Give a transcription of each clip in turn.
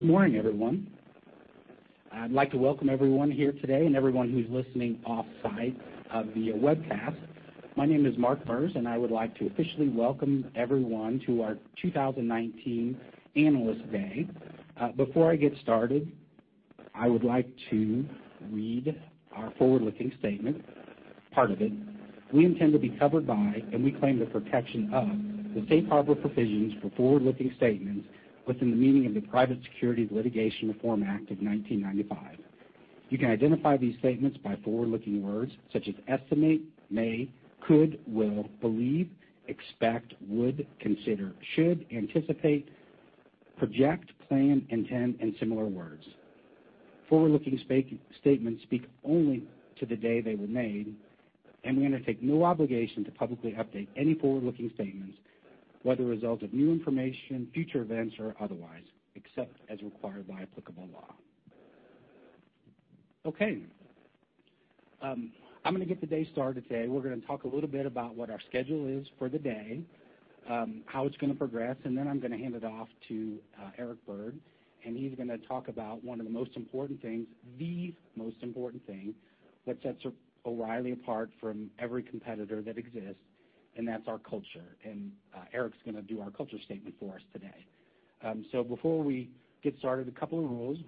Good morning, everyone. I'd like to welcome everyone here today and everyone who's listening offsite via webcast. My name is Mark Merz, and I would like to officially welcome everyone to our 2019 Analyst Day. Before I get started, I would like to read our forward-looking statement, part of it. We intend to be covered by and we claim the protection of the Safe Harbor provisions for forward-looking statements within the meaning of the Private Securities Litigation Reform Act of 1995. You can identify these statements by forward-looking words such as estimate, may, could, will, believe, expect, would, consider, should, anticipate, project, plan, intend, and similar words. Forward-looking statements speak only to the day they were made, and we undertake no obligation to publicly update any forward-looking statements, whether a result of new information, future events, or otherwise, except as required by applicable law. Okay. I'm gonna get the day started today. We're gonna talk a little bit about what our schedule is for the day, how it's gonna progress, and then I'm gonna hand it off to Eric Bird, and he's gonna talk about one of the most important things, the most important thing that sets O'Reilly apart from every competitor that exists, and that's our culture. Eric's gonna do our culture statement for us today. Before we get started, a couple of rules.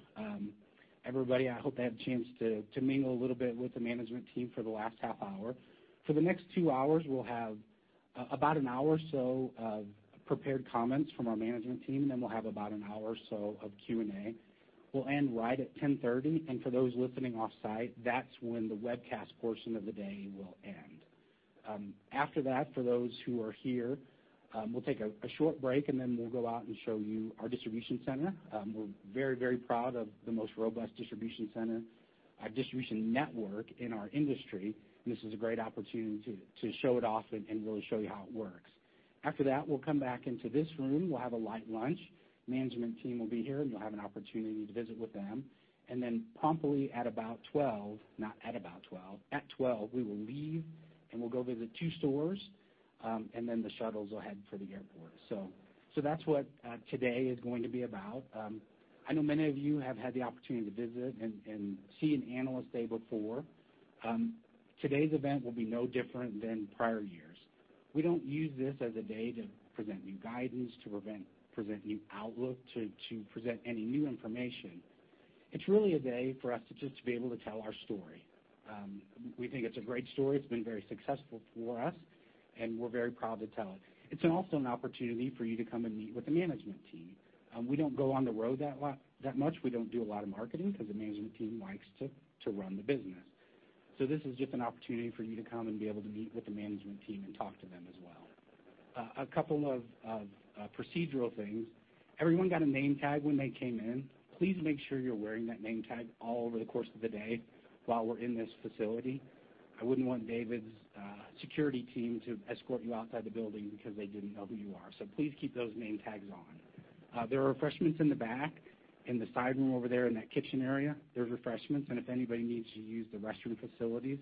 Everybody, I hope you had a chance to mingle a little bit with the management team for the last half hour. For the next two hours, we'll have about an hour or so of prepared comments from our management team, and then we'll have about an hour or so of Q&A. We'll end right at 10:30. For those listening offsite, that's when the webcast portion of the day will end. After that, for those who are here, we'll take a short break, then we'll go out and show you our distribution center. We're very proud of the most robust distribution center, distribution network in our industry. This is a great opportunity to show it off and really show you how it works. After that, we'll come back into this room. We'll have a light lunch. Management team will be here, and you'll have an opportunity to visit with them. Promptly at 12:00, we will leave, and we'll go visit two stores, then the shuttles will head for the airport. That's what today is going to be about. I know many of you have had the opportunity to visit and see an Analyst Day before. Today's event will be no different than prior years. We don't use this as a day to present new guidance, to present new outlook, to present any new information. It's really a day for us just to be able to tell our story. We think it's a great story. It's been very successful for us, and we're very proud to tell it. It's also an opportunity for you to come and meet with the management team. We don't go on the road that much. We don't do a lot of marketing because the management team likes to run the business. This is just an opportunity for you to come and be able to meet with the management team and talk to them as well. A couple of procedural things. Everyone got a name tag when they came in. Please make sure you're wearing that name tag all over the course of the day while we're in this facility. I wouldn't want David's security team to escort you outside the building because they didn't know who you are. Please keep those name tags on. There are refreshments in the back, in the side room over there in that kitchen area. There's refreshments, and if anybody needs to use the restroom facilities,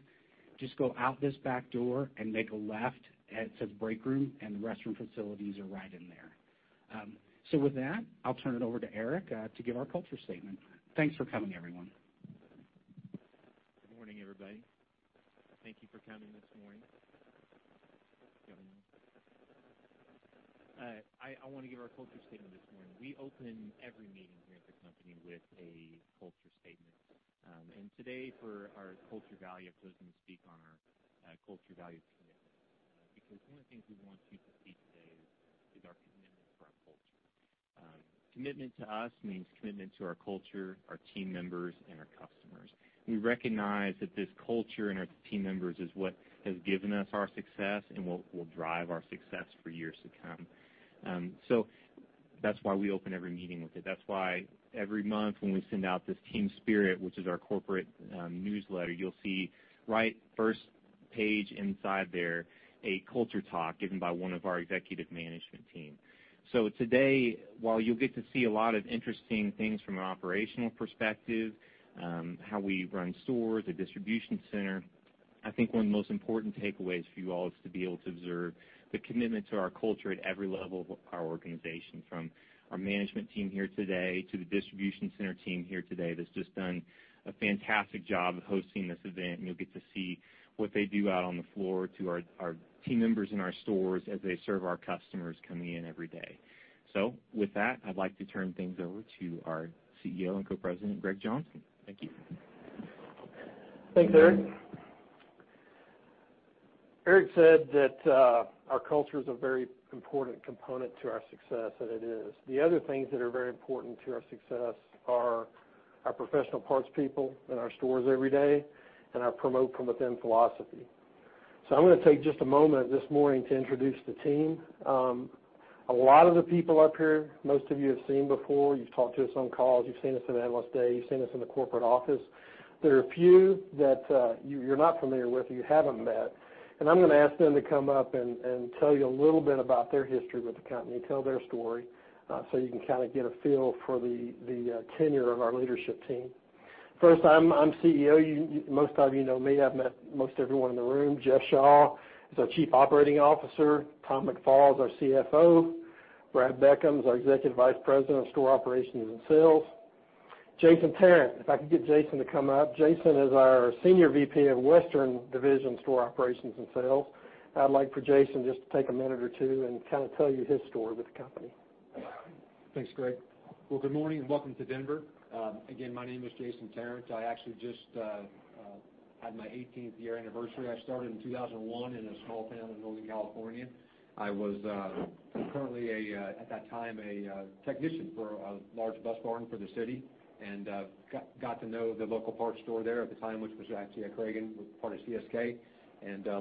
just go out this back door and make a left. It says break room, and the restroom facilities are right in there. With that, I'll turn it over to Eric, to give our culture statement. Thanks for coming, everyone. Good morning, everybody. Thank you for coming this morning. I wanna give our culture statement this morning. We open every meeting here at the company with a culture statement. Today for our culture value, I've chosen to speak on our culture value commitment, because one of the things we want you to see today is our commitment for our culture. Commitment to us means commitment to our culture, our team members, and our customers. We recognize that this culture and our team members is what has given us our success and will drive our success for years to come. That's why we open every meeting with it. That's why every month when we send out this Team Spirit, which is our corporate newsletter, you'll see right first page inside there a culture talk given by one of our executive management team. Today, while you'll get to see a lot of interesting things from an operational perspective, how we run stores, a distribution center, I think one of the most important takeaways for you all is to be able to observe the commitment to our culture at every level of our organization, from our management team here today to the distribution center team here today that's just done a fantastic job of hosting this event, and you'll get to see what they do out on the floor to our team members in our stores as they serve our customers coming in every day. With that, I'd like to turn things over to our CEO and Co-President, Greg Johnson. Thank you. Thanks, Eric. Eric said that our culture is a very important component to our success, and it is. The other things that are very important to our success are our professional parts people in our stores every day and our promote-from-within philosophy. I'm gonna take just a moment this morning to introduce the team. A lot of the people up here, most of you have seen before. You've talked to us on calls. You've seen us at Analyst Day. You've seen us in the corporate office. There are a few that you're not familiar with or you haven't met, and I'm gonna ask them to come up and tell you a little bit about their history with the company, tell their story, so you can kinda get a feel for the tenure of our leadership team. First, I'm CEO. Most of you know me. I've met most everyone in the room. Jeff Shaw is our Chief Operating Officer. Tom McFall is our CFO. Brad Beckham's our Executive Vice President of Store Operations and Sales. Jason Tarrant, if I could get Jason to come up. Jason is our Senior Vice President of Western Division Store Operations and Sales. I'd like for Jason just to take a minute or two and kinda tell you his story with the company. Thanks, Greg. Well, good morning and welcome to Denver. Again, my name is Jason Tarrant. I actually just had my 18th year anniversary. I started in 2001 in a small town in Northern California. I was currently a at that time a technician for a large bus barn for the city, and got to know the local parts store there at the time, which was actually a Kragen with part of CSK.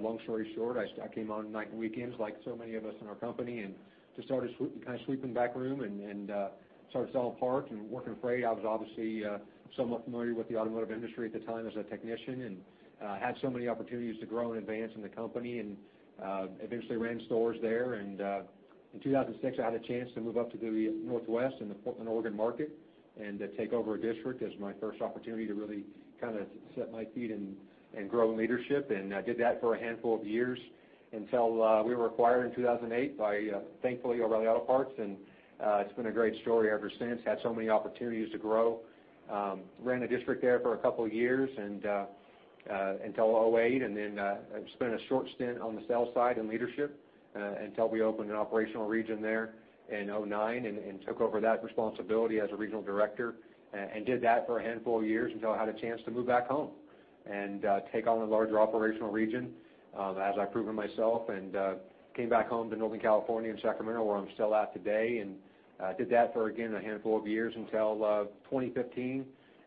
Long story short, I came on night and weekends like so many of us in our company, and just started sweeping back room and started selling parts and working freight. I was obviously somewhat familiar with the automotive industry at the time as a technician, and had so many opportunities to grow and advance in the company and eventually ran stores there. In 2006, I had a chance to move up to the Northwest in the Portland, Oregon market and to take over a district as my first opportunity to really kinda set my feet and grow in leadership. I did that for a handful of years until we were acquired in 2008 by thankfully, O'Reilly Auto Parts, and it's been a great story ever since. Had so many opportunities to grow. ran a district there for two years until 2008. Then spent a short stint on the sales side in leadership until we opened an operational region there in 2009 and took over that responsibility as a regional director. Did that for a handful of years until I had a chance to move back home and take on a larger operational region, as I've proven myself, and came back home to Northern California in Sacramento, where I'm still at today. Did that for, again, a handful of years until 2015,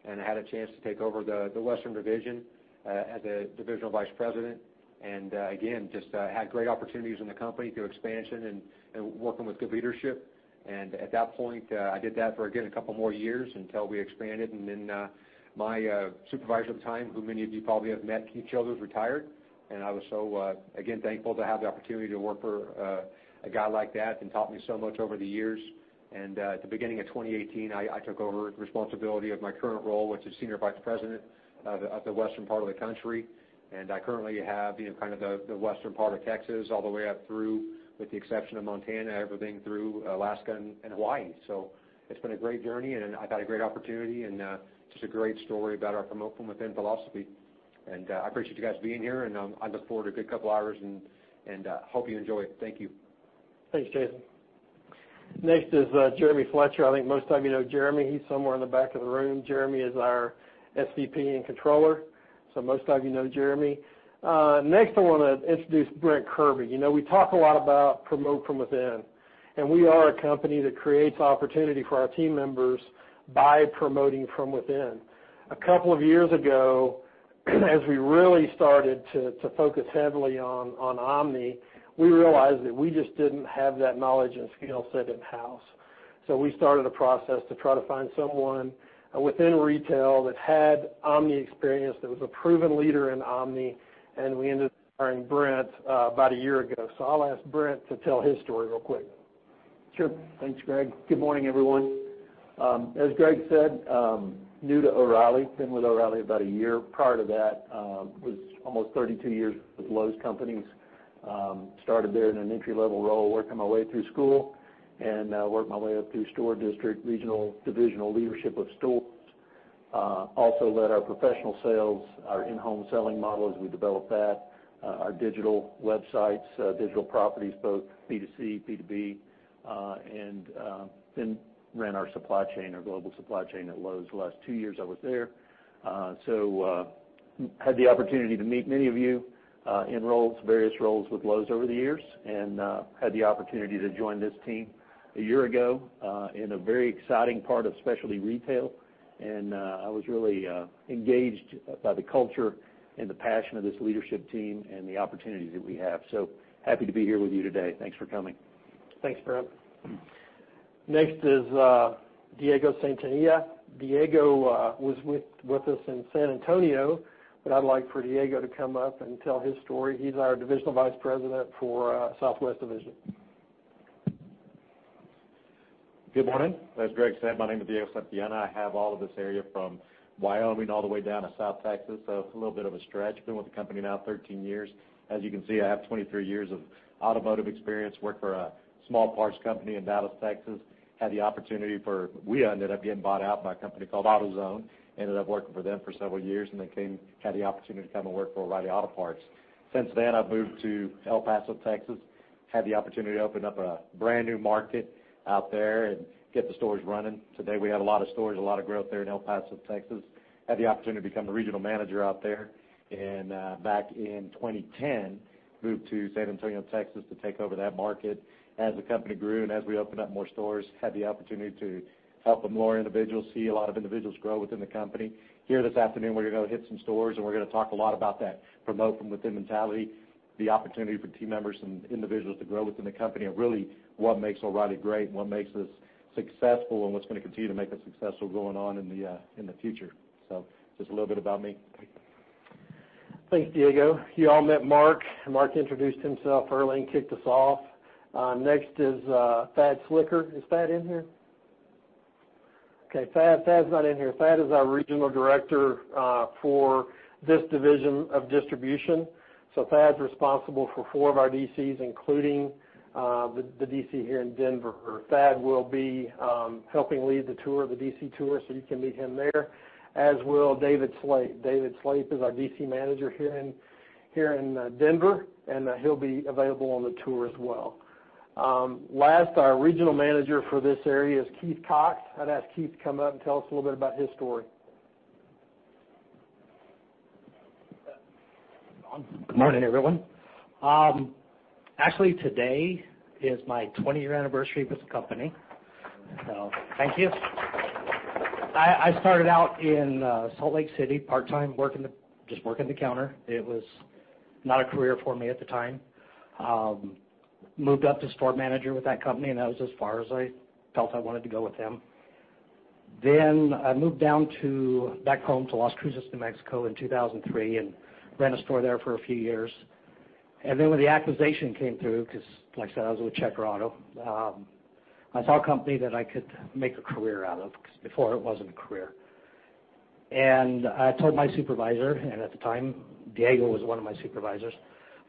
and had a chance to take over the Western Division as a Divisional Vice President. Again, just had great opportunities in the company through expansion and working with good leadership. At that point, I did that for, again, a couple more years until we expanded. Then, my supervisor at the time, who many of you probably have met, Keith Sheldon, retired, and I was so, again, thankful to have the opportunity to work for a guy like that who taught me so much over the years. At the beginning of 2018, I took over responsibility of my current role, which is Senior Vice President of the western part of the country. I currently have, you know, kind of the western part of Texas all the way up through, with the exception of Montana, everything through Alaska and Hawaii. It's been a great journey, and I've had a great opportunity and just a great story about our promote-from-within philosophy. I appreciate you guys being here and, I look forward to a good couple hours and, hope you enjoy it. Thank you. Thanks, Jason. Next is Jeremy Fletcher. I think most of you know Jeremy. He's somewhere in the back of the room. Jeremy is our SVP and Controller. Most of you know Jeremy. Next I want to introduce Brent Kirby. You know, we talk a lot about promote from within. We are a company that creates opportunity for our team members by promoting from within. A couple of years ago, as we really started to focus heavily on omni, we realized that we just didn't have that knowledge and skill set in-house. We started a process to try to find someone within retail that had omni experience, that was a proven leader in omni. We ended up hiring Brent about a year ago. I'll ask Brent to tell his story real quick. Sure. Thanks, Greg. Good morning, everyone. As Greg said, new to O'Reilly. Been with O'Reilly about a year. Prior to that, was almost 32 years with Lowe's Companies. Started there in an entry-level role, working my way through school and, worked my way up through store district, regional, divisional leadership with stores. Also led our professional sales, our in-home selling model as we developed that, our digital websites, digital properties, both B2C, B2B, and, then ran our supply chain, our global supply chain at Lowe's the last two years I was there. Had the opportunity to meet many of you, in roles, various roles with Lowe's over the years and, had the opportunity to join this team a year ago, in a very exciting part of specialty retail. I was really engaged by the culture and the passion of this leadership team and the opportunities that we have. Happy to be here with you today. Thanks for coming. Thanks, Brent. Next is Diego Santillana. Diego was with us in San Antonio, but I'd like for Diego to come up and tell his story. He's our Divisional Vice President for Southwest Division. Good morning. As Greg said, my name is Diego Santillana. I have all of this area from Wyoming all the way down to South Texas, so it's a little bit of a stretch. I have been with the company now 13 years. As you can see, I have 23 years of automotive experience, worked for a small parts company in Dallas, Texas. We ended up getting bought out by a company called AutoZone. Ended up working for them for several years, and then had the opportunity to come and work for O'Reilly Auto Parts. Since then, I moved to El Paso, Texas. Had the opportunity to open up a brand-new market out there and get the stores running. Today, we have a lot of stores, a lot of growth there in El Paso, Texas. Had the opportunity to become the regional manager out there and back in 2010, moved to San Antonio, Texas, to take over that market. As the company grew and as we opened up more stores, had the opportunity to help more individuals, see a lot of individuals grow within the company. Here this afternoon, we're gonna hit some stores, and we're gonna talk a lot about that promote-from-within mentality, the opportunity for team members and individuals to grow within the company are really what makes O'Reilly great and what makes us successful and what's gonna continue to make us successful going on in the future. Just a little bit about me. Thanks, Diego. You all met Mark. Mark introduced himself early and kicked us off. Next is Thad Slicker. Is Thad in here? Okay, Thad's not in here. Thad is our regional director for this division of distribution. Thad's responsible for four of our DCs, including the DC here in Denver. Thad will be helping lead the tour, the DC tour, so you can meet him there, as will David Slape. David Slape is our DC manager here in Denver, and he'll be available on the tour as well. Last, our regional manager for this area is Keith Cox. I'd ask Keith to come up and tell us a little bit about his story. Is this on? Good morning, everyone. Actually, today is my 20-year anniversary with the company. Thank you. I started out in Salt Lake City part-time, just working the counter. It was not a career for me at the time. Moved up to store manager with that company, and that was as far as I felt I wanted to go with them. I moved down to back home to Las Cruces, New Mexico in 2003 and ran a store there for a few years. When the acquisition came through, 'cause like I said, I was with Checker Auto, I saw a company that I could make a career out of, 'cause before it wasn't a career. I told my supervisor, and at the time, Diego was one of my supervisors,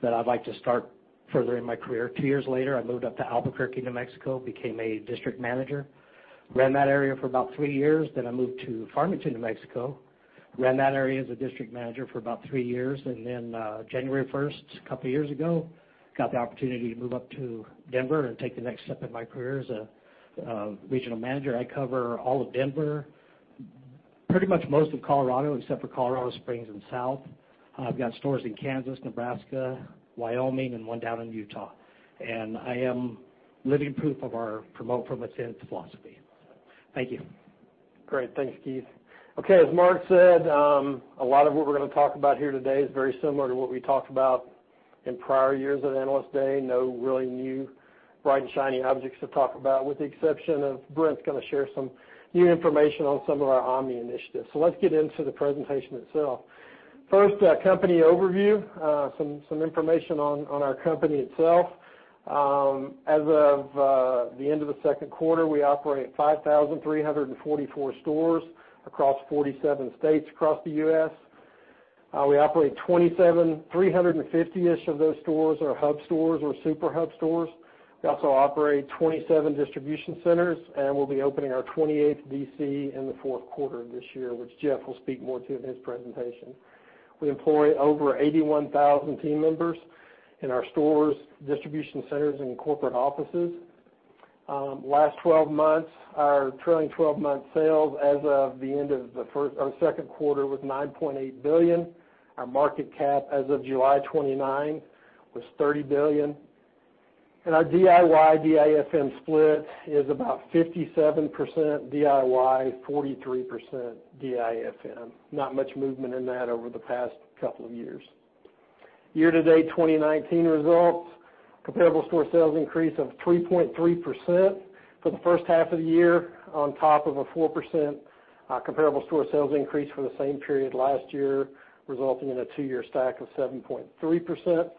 that I'd like to start furthering my career. Two years later, I moved up to Albuquerque, New Mexico, became a district manager. Ran that area for about three years, then I moved to Farmington, New Mexico. Ran that area as a district manager for about thee years. January 1st a couple of years ago, got the opportunity to move up to Denver and take the next step in my career as a regional manager. I cover all of Denver, pretty much most of Colorado, except for Colorado Springs and south. I've got stores in Kansas, Nebraska, Wyoming, and one down in Utah. I am living proof of our promote from within philosophy. Thank you. Great. Thanks, Keith. As Mark said, a lot of what we're going to talk about here today is very similar to what we talked about in prior years at Analyst Day. No really new bright and shiny objects to talk about, with the exception of Brent's going to share some new information on some of our omni initiatives. Let's get into the presentation itself. First, company overview. Some information on our company itself. As of the end of the second quarter, we operate 5,344 stores across 47 states across the U.S. We operate 27, 350-ish of those stores are hub stores or super hub stores. We also operate 27 distribution centers, and we'll be opening our 28th DC in the fourth quarter of this year, which Jeff will speak more to in his presentation. We employ over 81,000 team members in our stores, distribution centers, and corporate offices. Last 12 months, our trailing 12 months sales as of the end of the first or second quarter was $9.8 billion. Our market cap as of July 29 was $30 billion. Our DIY/DIFM split is about 57% DIY, 43% DIFM. Not much movement in that over the past couple of years. Year-to-date 2019 results, comparable store sales increase of 3.3% for the first half of the year on top of a 4% comparable store sales increase for the same period last year, resulting in a 2-year stack of 7.3%.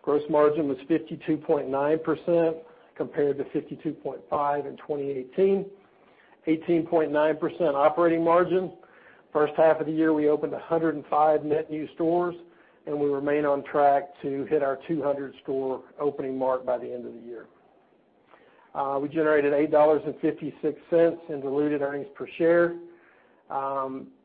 Gross margin was 52.9% compared to 52.5% in 2018. 18.9% operating margin. First half of the year, we opened 105 net new stores, and we remain on track to hit our 200-store opening mark by the end of the year. We generated $8.56 in diluted earnings per share,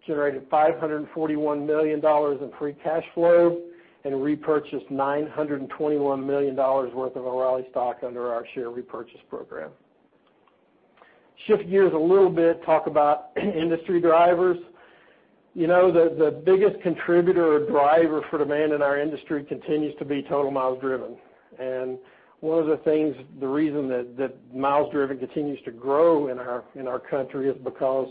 generated $541 million in free cash flow, and repurchased $921 million worth of O'Reilly stock under our share repurchase program. Shift gears a little bit, talk about industry drivers. You know, the biggest contributor or driver for demand in our industry continues to be total miles driven. One of the things, the reason that miles driven continues to grow in our country is because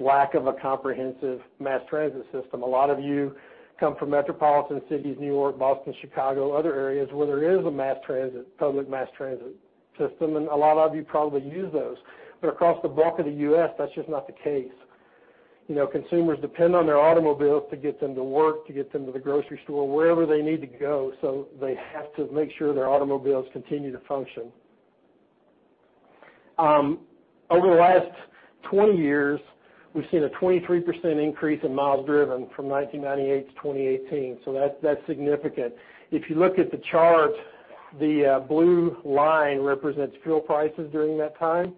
lack of a comprehensive mass transit system. A lot of you come from metropolitan cities, New York, Boston, Chicago, other areas where there is a mass transit, public mass transit system, and a lot of you probably use those. Across the bulk of the U.S., that's just not the case. You know, consumers depend on their automobiles to get them to work, to get them to the grocery store, wherever they need to go, so they have to make sure their automobiles continue to function. Over the last 20 years, we've seen a 23% increase in miles driven from 1998 to 2018, that's significant. If you look at the chart, the blue line represents fuel prices during that time,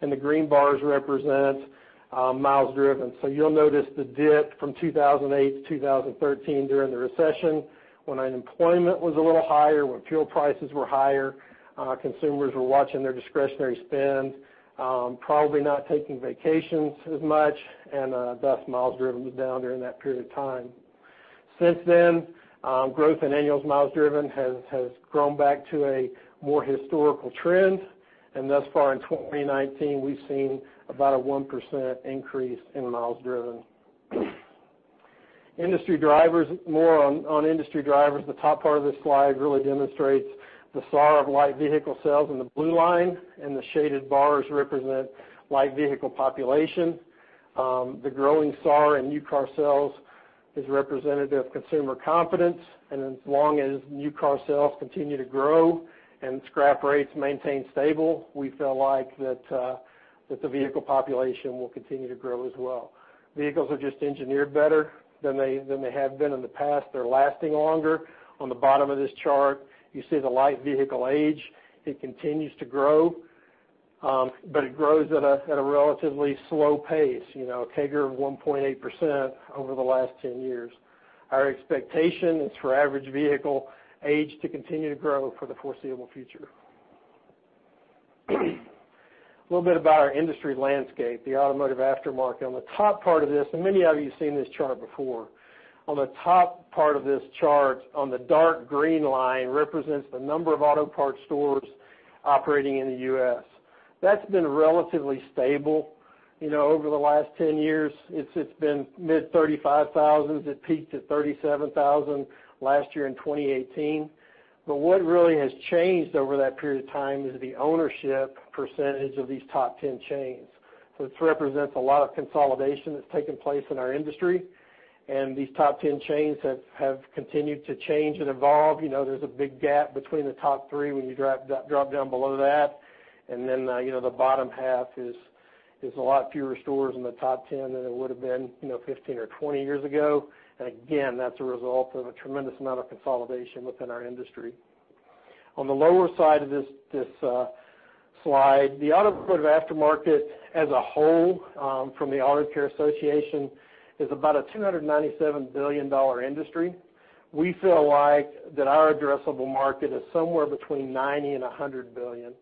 the green bars represent miles driven. You'll notice the dip from 2008 to 2013 during the recession when unemployment was a little higher, when fuel prices were higher, consumers were watching their discretionary spend, probably not taking vacations as much, and thus miles driven was down during that period of time. Since then, growth in annual miles driven has grown back to a more historical trend. Thus far in 2019, we've seen about a 1% increase in miles driven. Industry drivers, more on industry drivers. The top part of this slide really demonstrates the SAAR of light vehicle sales in the blue line, and the shaded bars represent light vehicle population. The growing SAAR in new car sales is representative of consumer confidence. As long as new car sales continue to grow and scrap rates maintain stable, we feel like that the vehicle population will continue to grow as well. Vehicles are just engineered better than they have been in the past. They're lasting longer. On the bottom of this chart, you see the light vehicle age. It continues to grow, but it grows at a relatively slow pace. You know, a CAGR of 1.8% over the last 10 years. Our expectation is for average vehicle age to continue to grow for the foreseeable future. A little bit about our industry landscape, the automotive aftermarket. On the top part of this, many of you have seen this chart before. On the top part of this chart, on the dark green line, represents the number of auto parts stores operating in the U.S. That's been relatively stable. You know, over the last 10 years, it's been mid-35,000. It peaked at 37,000 last year in 2018. What really has changed over that period of time is the ownership percentage of these top 10 chains. This represents a lot of consolidation that's taken place in our industry, and these top 10 chains have continued to change and evolve. You know, there's a big gap between the top three when you drop down below that. You know, the bottom half is a lot fewer stores in the top 10 than it would've been, you know, 15 or 20 years ago. Again, that's a result of a tremendous amount of consolidation within our industry. On the lower side of this slide, the automotive aftermarket as a whole, from the Auto Care Association, is about a $297 billion industry. We feel like that our addressable market is somewhere between $90 billion-$100 billion.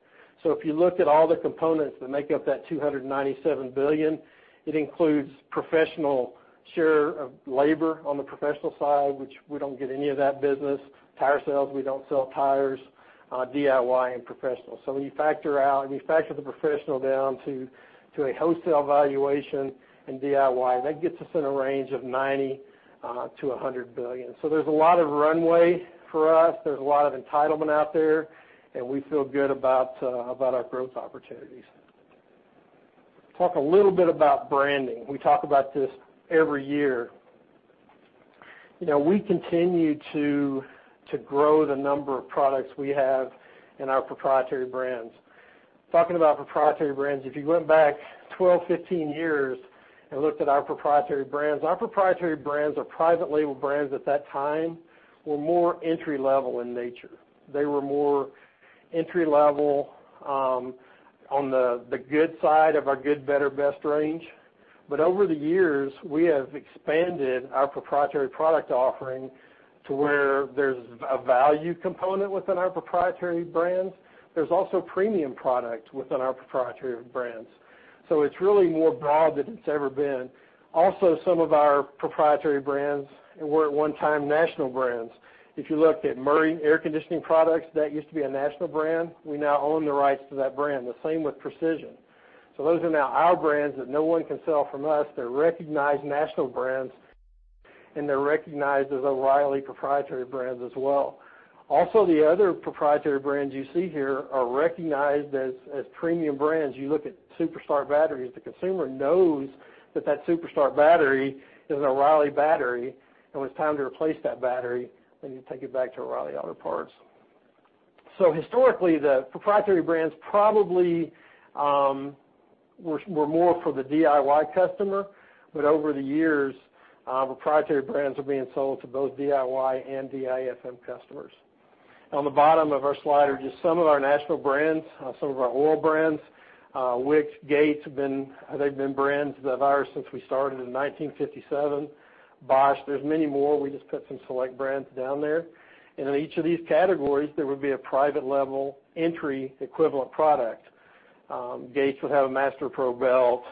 If you look at all the components that make up that $297 billion, it includes professional share of labor on the professional side, which we don't get any of that business. Tire sales, we don't sell tires, DIY and professional. When you factor out, when you factor the professional down to a wholesale valuation and DIY, that gets us in a range of $90 billion-$100 billion. There's a lot of runway for us. There's a lot of entitlement out there, and we feel good about our growth opportunities. Talk a little bit about branding. We talk about this every year. You know, we continue to grow the number of products we have in our proprietary brands. Talking about proprietary brands, if you went back 12, 15 years and looked at our proprietary brands, our proprietary brands or private label brands at that time were more entry-level in nature. They were more entry-level on the good side of our good, better, best range. Over the years, we have expanded our proprietary product offering to where there's a value component within our proprietary brands. There's also premium product within our proprietary brands. It's really more broad than it's ever been. Also, some of our proprietary brands were at one time national brands. If you looked at Murray Air Conditioning products, that used to be a national brand. We now own the rights to that brand, the same with Precision. Those are now our brands that no one can sell from us. They're recognized national brands, and they're recognized as O'Reilly proprietary brands as well. Also, the other proprietary brands you see here are recognized as premium brands. You look at Super Start batteries, the consumer knows that that Super Start battery is an O'Reilly battery, and when it's time to replace that battery, they need to take it back to O'Reilly Auto Parts. Historically, the proprietary brands probably were more for the DIY customer. Over the years, proprietary brands are being sold to both DIY and DIFM customers. On the bottom of our slide are just some of our national brands, some of our oil brands. Wix, Gates have been, they've been brands of ours since we started in 1957. Bosch, there's many more. We just put some select brands down there. In each of these categories, there would be a private label entry equivalent product. Gates would have a MasterPro belt.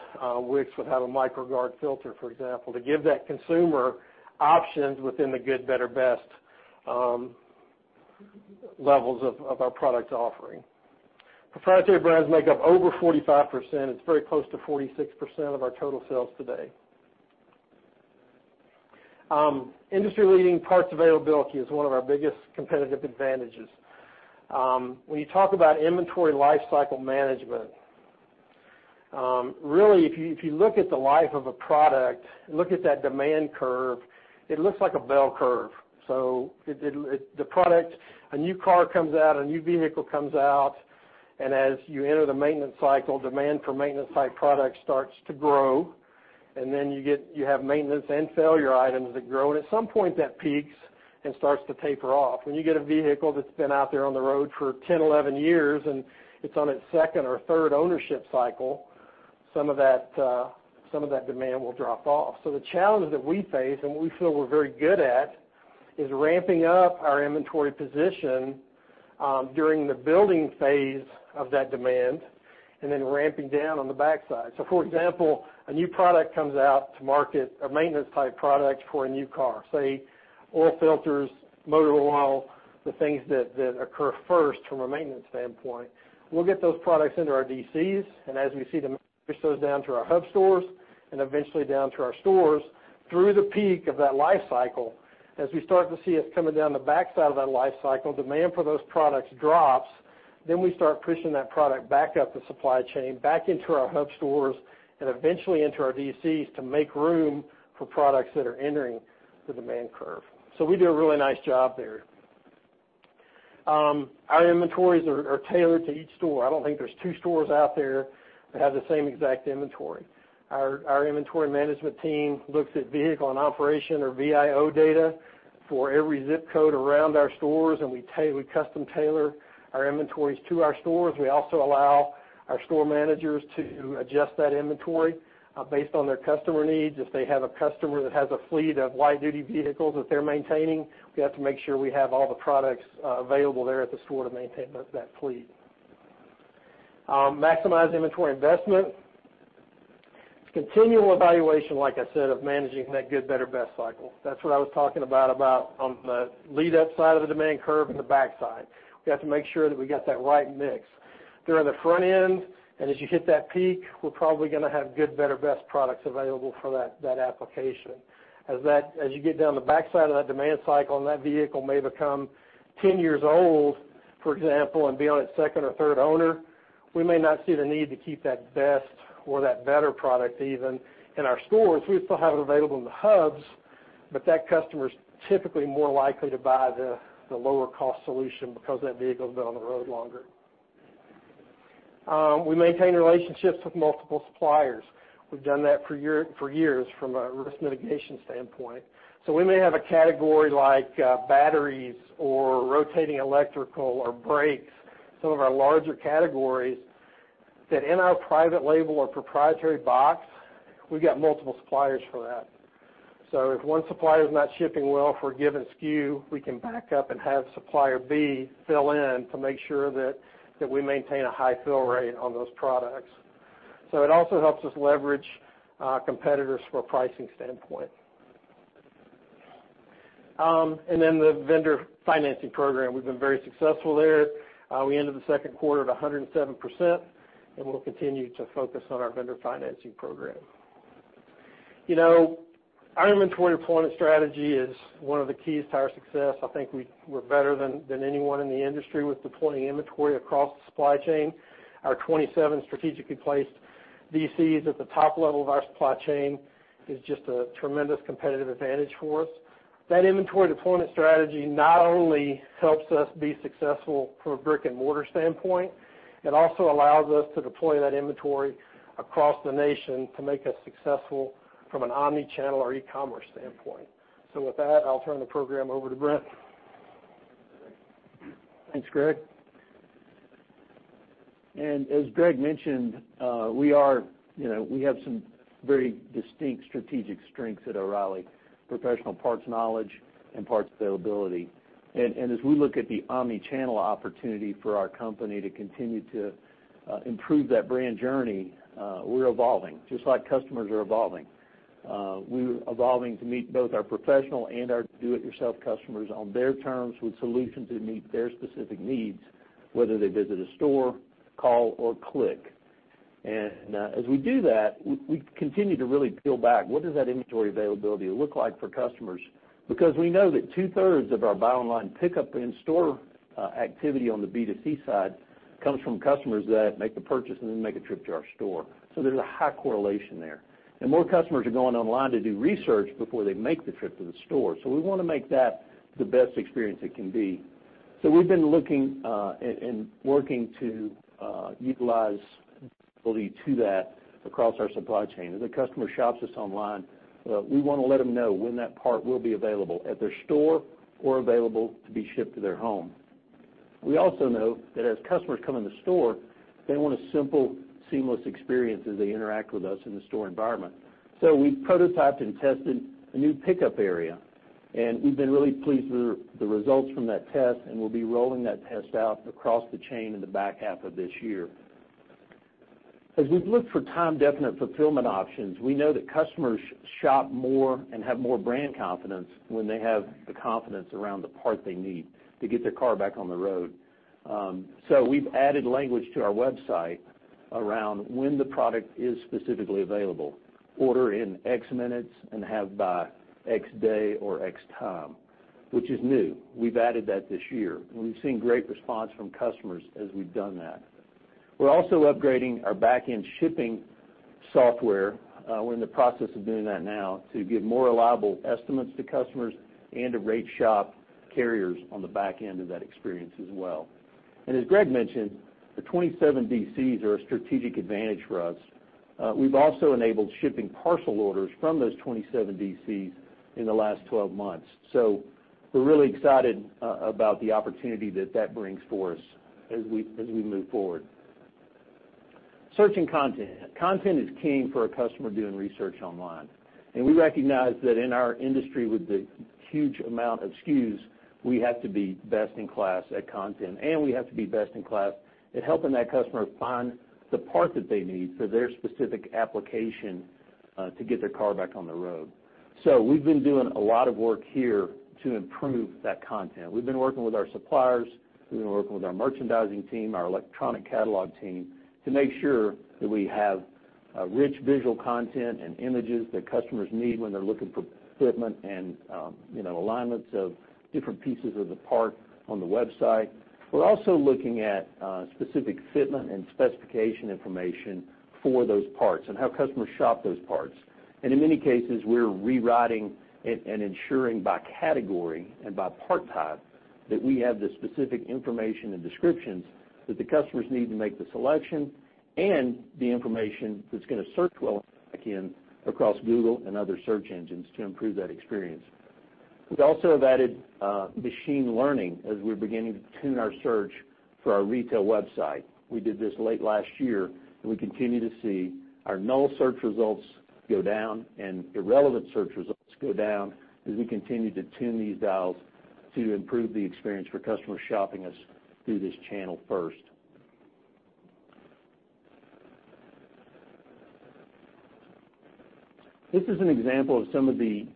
Wix would have a MicroGard filter, for example, to give that consumer options within the good, better, best levels of our product offering. Proprietary brands make up over 45%. It's very close to 46% of our total sales today. Industry-leading parts availability is one of our biggest competitive advantages. When you talk about inventory lifecycle management, really, if you look at the life of a product, look at that demand curve, it looks like a bell curve. The product, a new car comes out, a new vehicle comes out, and as you enter the maintenance cycle, demand for maintenance-type products starts to grow. Then you have maintenance and failure items that grow, and at some point, that peaks and starts to taper off. When you get a vehicle that's been out there on the road for 10, 11 years, and it's on its 2nd or 3rd ownership cycle, some of that demand will drop off. The challenge that we face, and what we feel we're very good at, is ramping up our inventory position during the building phase of that demand and then ramping down on the backside. For example, a new product comes out to market, a maintenance-type product for a new car. Say, oil filters, motor oil, the things that occur first from a maintenance standpoint. We'll get those products into our DCs, and as we see demand, push those down to our hub stores and eventually down to our stores through the peak of that life cycle. As we start to see it coming down the backside of that life cycle, demand for those products drops. We start pushing that product back up the supply chain, back into our hub stores and eventually into our DCs to make room for products that are entering the demand curve. We do a really nice job there. Our inventories are tailored to each store. I don't think there's two stores out there that have the same exact inventory. Our inventory management team looks at vehicle in operation or VIO data for every zip code around our stores, and we custom tailor our inventories to our stores. We also allow our store managers to adjust that inventory based on their customer needs. If they have a customer that has a fleet of light duty vehicles that they're maintaining, we have to make sure we have all the products available there at the store to maintain that fleet. Maximize inventory investment. It's continual evaluation, like I said, of managing that good, better, best cycle. That's what I was talking about on the lead up side of the demand curve and the back side. We have to make sure that we got that right mix. They're on the front end, and as you hit that peak, we're probably gonna have good, better, best products available for that application. As you get down the back side of that demand cycle and that vehicle may become 10 years old, for example, and be on its second or third owner, we may not see the need to keep that best or that better product even in our stores. We still have it available in the hubs, but that customer's typically more likely to buy the lower cost solution because that vehicle's been on the road longer. We maintain relationships with multiple suppliers. We've done that for years from a risk mitigation standpoint. We may have a category like batteries or rotating electrical or brakes, some of our larger categories that in our private label or proprietary box, we've got multiple suppliers for that. If one supplier is not shipping well for a given SKU, we can back up and have supplier B fill in to make sure that we maintain a high fill rate on those products. It also helps us leverage competitors from a pricing standpoint. The vendor financing program, we've been very successful there. We ended the second quarter at 107%, and we'll continue to focus on our vendor financing program. You know, our inventory deployment strategy is one of the keys to our success. I think we're better than anyone in the industry with deploying inventory across the supply chain. Our 27 strategically placed DCs at the top level of our supply chain is just a tremendous competitive advantage for us. That inventory deployment strategy not only helps us be successful from a brick-and-mortar standpoint, it also allows us to deploy that inventory across the nation to make us successful from an omnichannel or e-commerce standpoint. With that, I'll turn the program over to Brent. Thanks, Greg. As Greg mentioned, you know, we have some very distinct strategic strengths at O'Reilly, professional parts knowledge and parts availability. As we look at the omnichannel opportunity for our company to continue to improve that brand journey, we're evolving just like customers are evolving. We're evolving to meet both our professional and our do it yourself customers on their terms with solutions that meet their specific needs, whether they visit a store, call or click. As we do that, we continue to really peel back what does that inventory availability look like for customers because we know that two-thirds of our buy online pickup in store activity on the B2C side comes from customers that make a purchase and then make a trip to our store. There's a high correlation there. More customers are going online to do research before they make the trip to the store. We wanna make that the best experience it can be. We've been looking and working to utilize ability to that across our supply chain. As a customer shops us online, we wanna let them know when that part will be available at their store or available to be shipped to their home. We also know that as customers come in the store, they want a simple, seamless experience as they interact with us in the store environment. We've prototyped and tested a new pickup area, and we've been really pleased with the results from that test, and we'll be rolling that test out across the chain in the back half of this year. As we've looked for time definite fulfillment options, we know that customers shop more and have more brand confidence when they have the confidence around the part they need to get their car back on the road. We've added language to our website around when the product is specifically available. Order in X minutes and have by X day or X time, which is new. We've added that this year, we've seen great response from customers as we've done that. We're also upgrading our back-end shipping software, we're in the process of doing that now to give more reliable estimates to customers and to rate shop carriers on the back end of that experience as well. As Greg mentioned, the 27 DCs are a strategic advantage for us. We've also enabled shipping parcel orders from those 27 DCs in the last 12 months. We're really excited about the opportunity that that brings for us as we, as we move forward. Search and content. Content is king for a customer doing research online. We recognize that in our industry with the huge amount of SKUs, we have to be best in class at content, and we have to be best in class at helping that customer find the part that they need for their specific application to get their car back on the road. We've been doing a lot of work here to improve that content. We've been working with our suppliers, we've been working with our merchandising team, our electronic catalog team to make sure that we have rich visual content and images that customers need when they're looking for fitment and, you know, alignments of different pieces of the part on the website. We're also looking at specific fitment and specification information for those parts and how customers shop those parts. In many cases, we're rewriting it and ensuring by category and by part type that we have the specific information and descriptions that the customers need to make the selection and the information that's gonna search well again across Google and other search engines to improve that experience. We also have added machine learning as we're beginning to tune our search for our retail website. We did this late last year, and we continue to see our null search results go down and irrelevant search results go down as we continue to tune these dials to improve the experience for customers shopping us through this channel first. This is an example of some of the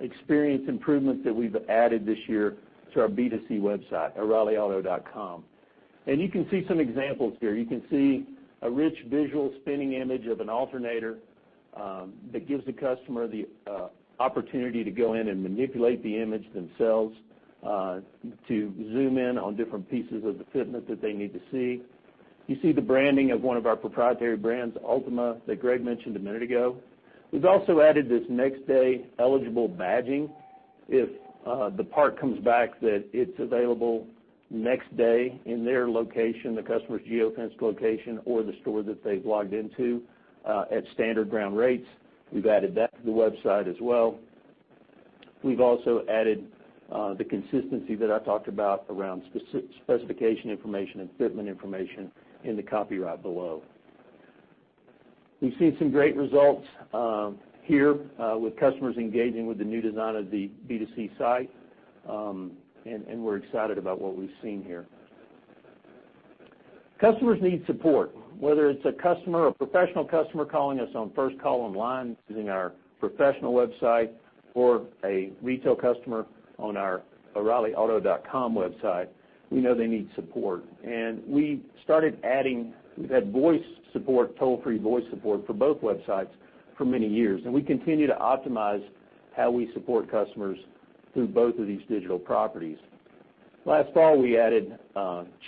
experience improvements that we've added this year to our B2C website, oreillyauto.com. You can see some examples here. You can see a rich visual spinning image of an alternator that gives the customer the opportunity to go in and manipulate the image themselves to zoom in on different pieces of the fitment that they need to see. You see the branding of one of our proprietary brands, Ultima, that Greg mentioned a minute ago. We've also added this Next Day eligible badging if the part comes back that it's available next day in their location, the customer's geofenced location or the store that they've logged into at standard ground rates. We've added that to the website as well. We've also added the consistency that I talked about around specification information and fitment information in the copyright below. We've seen some great results here with customers engaging with the new design of the B2C site, and we're excited about what we've seen here. Customers need support, whether it's a customer, a professional customer calling us on First Call Online using our professional website or a retail customer on our oreillyauto.com website, we know they need support. We started adding that voice support, toll-free voice support for both websites for many years. We continue to optimize how we support customers through both of these digital properties. Last fall, we added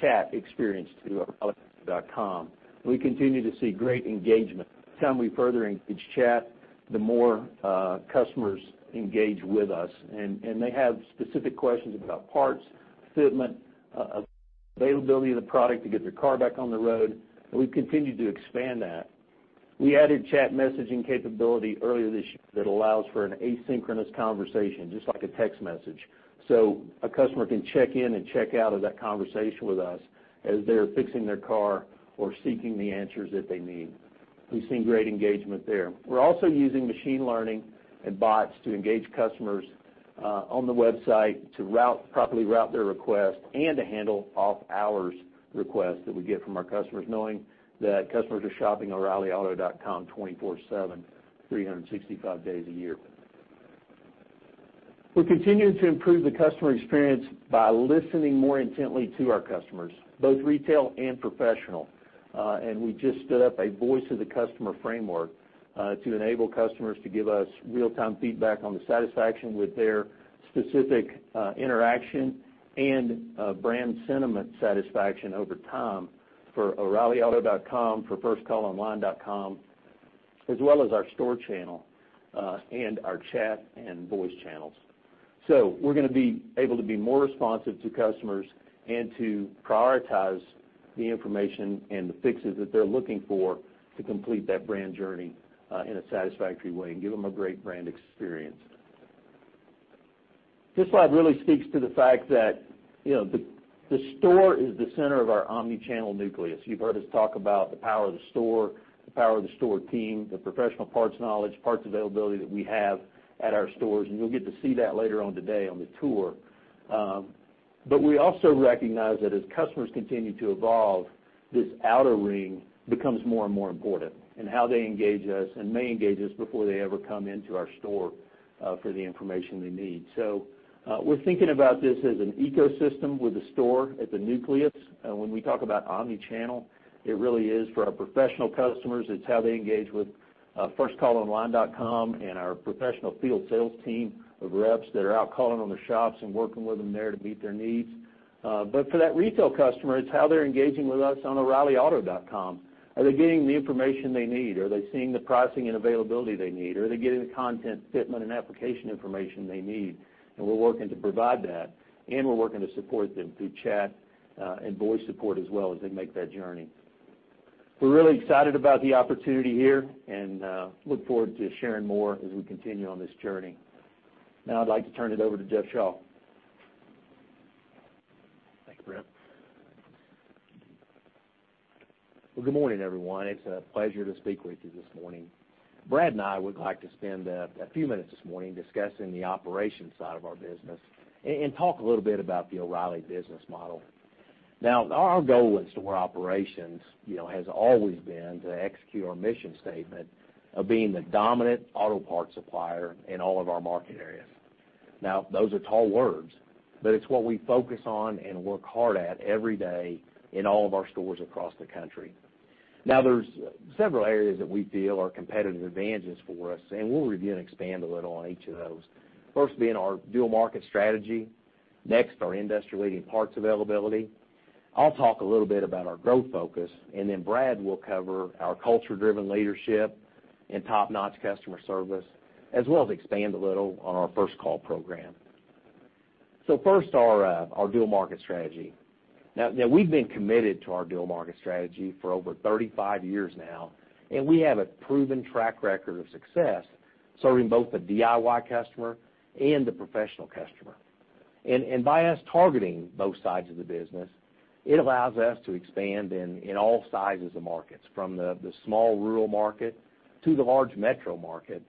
chat experience to oreillyauto.com. We continue to see great engagement. Each time we further engage chat, the more customers engage with us. They have specific questions about parts, fitment, availability of the product to get their car back on the road, and we've continued to expand that. We added chat messaging capability earlier this year that allows for an asynchronous conversation, just like a text message. A customer can check in and check out of that conversation with us as they're fixing their car or seeking the answers that they need. We've seen great engagement there. We're also using machine learning and bots to engage customers on the website to properly route their request and to handle off-hours requests that we get from our customers, knowing that customers are shopping oreillyauto.com 24/7, 365 days a year. We're continuing to improve the customer experience by listening more intently to our customers, both retail and professional. We just stood up a voice of the customer framework to enable customers to give us real-time feedback on the satisfaction with their specific interaction and brand sentiment satisfaction over time for oreillyauto.com, for firstcallonline.com, as well as our store channel and our chat and voice channels. We're gonna be able to be more responsive to customers and to prioritize the information and the fixes that they're looking for to complete that brand journey in a satisfactory way and give them a great brand experience. This slide really speaks to the fact that, you know, the store is the center of our omni-channel nucleus. You've heard us talk about the power of the store, the power of the store team, the professional parts knowledge, parts availability that we have at our stores, and you'll get to see that later on today on the tour. We also recognize that as customers continue to evolve, this outer ring becomes more and more important in how they engage us and may engage us before they ever come into our store for the information they need. We're thinking about this as an ecosystem with the store at the nucleus. When we talk about omni-channel, it really is for our professional customers. It's how they engage with firstcallonline.com and our professional field sales team of reps that are out calling on the shops and working with them there to meet their needs. For that retail customer, it's how they're engaging with us on oreillyauto.com. Are they getting the information they need? Are they seeing the pricing and availability they need? Are they getting the content fitment and application information they need? We're working to provide that, and we're working to support them through chat and voice support as well as they make that journey. We're really excited about the opportunity here and look forward to sharing more as we continue on this journey. I'd like to turn it over to Jeff Shaw. Thank you, Brad. Well, good morning, everyone. It's a pleasure to speak with you this morning. Brad and I would like to spend a few minutes this morning discussing the operations side of our business and talk a little bit about the O'Reilly business model. Now our goal as to our operations, you know, has always been to execute our mission statement of being the dominant auto parts supplier in all of our market areas. Now those are tall words, but it's what we focus on and work hard at every day in all of our stores across the country. Now there's several areas that we feel are competitive advantages for us, and we'll review and expand a little on each of those. First being our dual market strategy. Next, our industry-leading parts availability. I'll talk a little bit about our growth focus, and then Brad will cover our culture-driven leadership and top-notch customer service, as well as expand a little on our First Call program. First, our dual market strategy. Now we've been committed to our dual market strategy for over 35 years now, and we have a proven track record of success serving both the DIY customer and the professional customer. And by us targeting both sides of the business, it allows us to expand in all sizes of markets, from the small rural market to the large metro market,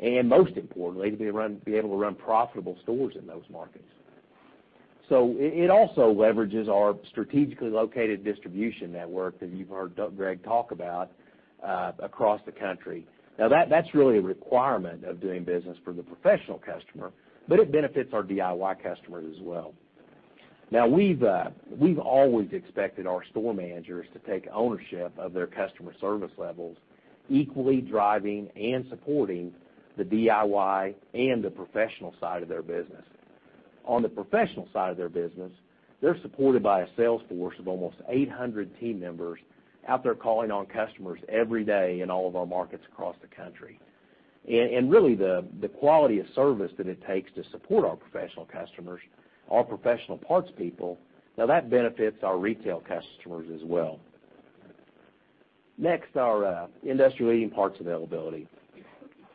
and most importantly, to be able to run profitable stores in those markets. It also leverages our strategically located distribution network that you've heard Greg talk about across the country. Now that's really a requirement of doing business for the professional customer, it benefits our DIY customers as well. Now we've always expected our store managers to take ownership of their customer service levels, equally driving and supporting the DIY and the professional side of their business. On the professional side of their business, they're supported by a sales force of almost 800 team members out there calling on customers every day in all of our markets across the country. Really the quality of service that it takes to support our professional customers, professional parts people, now that benefits our retail customers as well. Next, our industry-leading parts availability.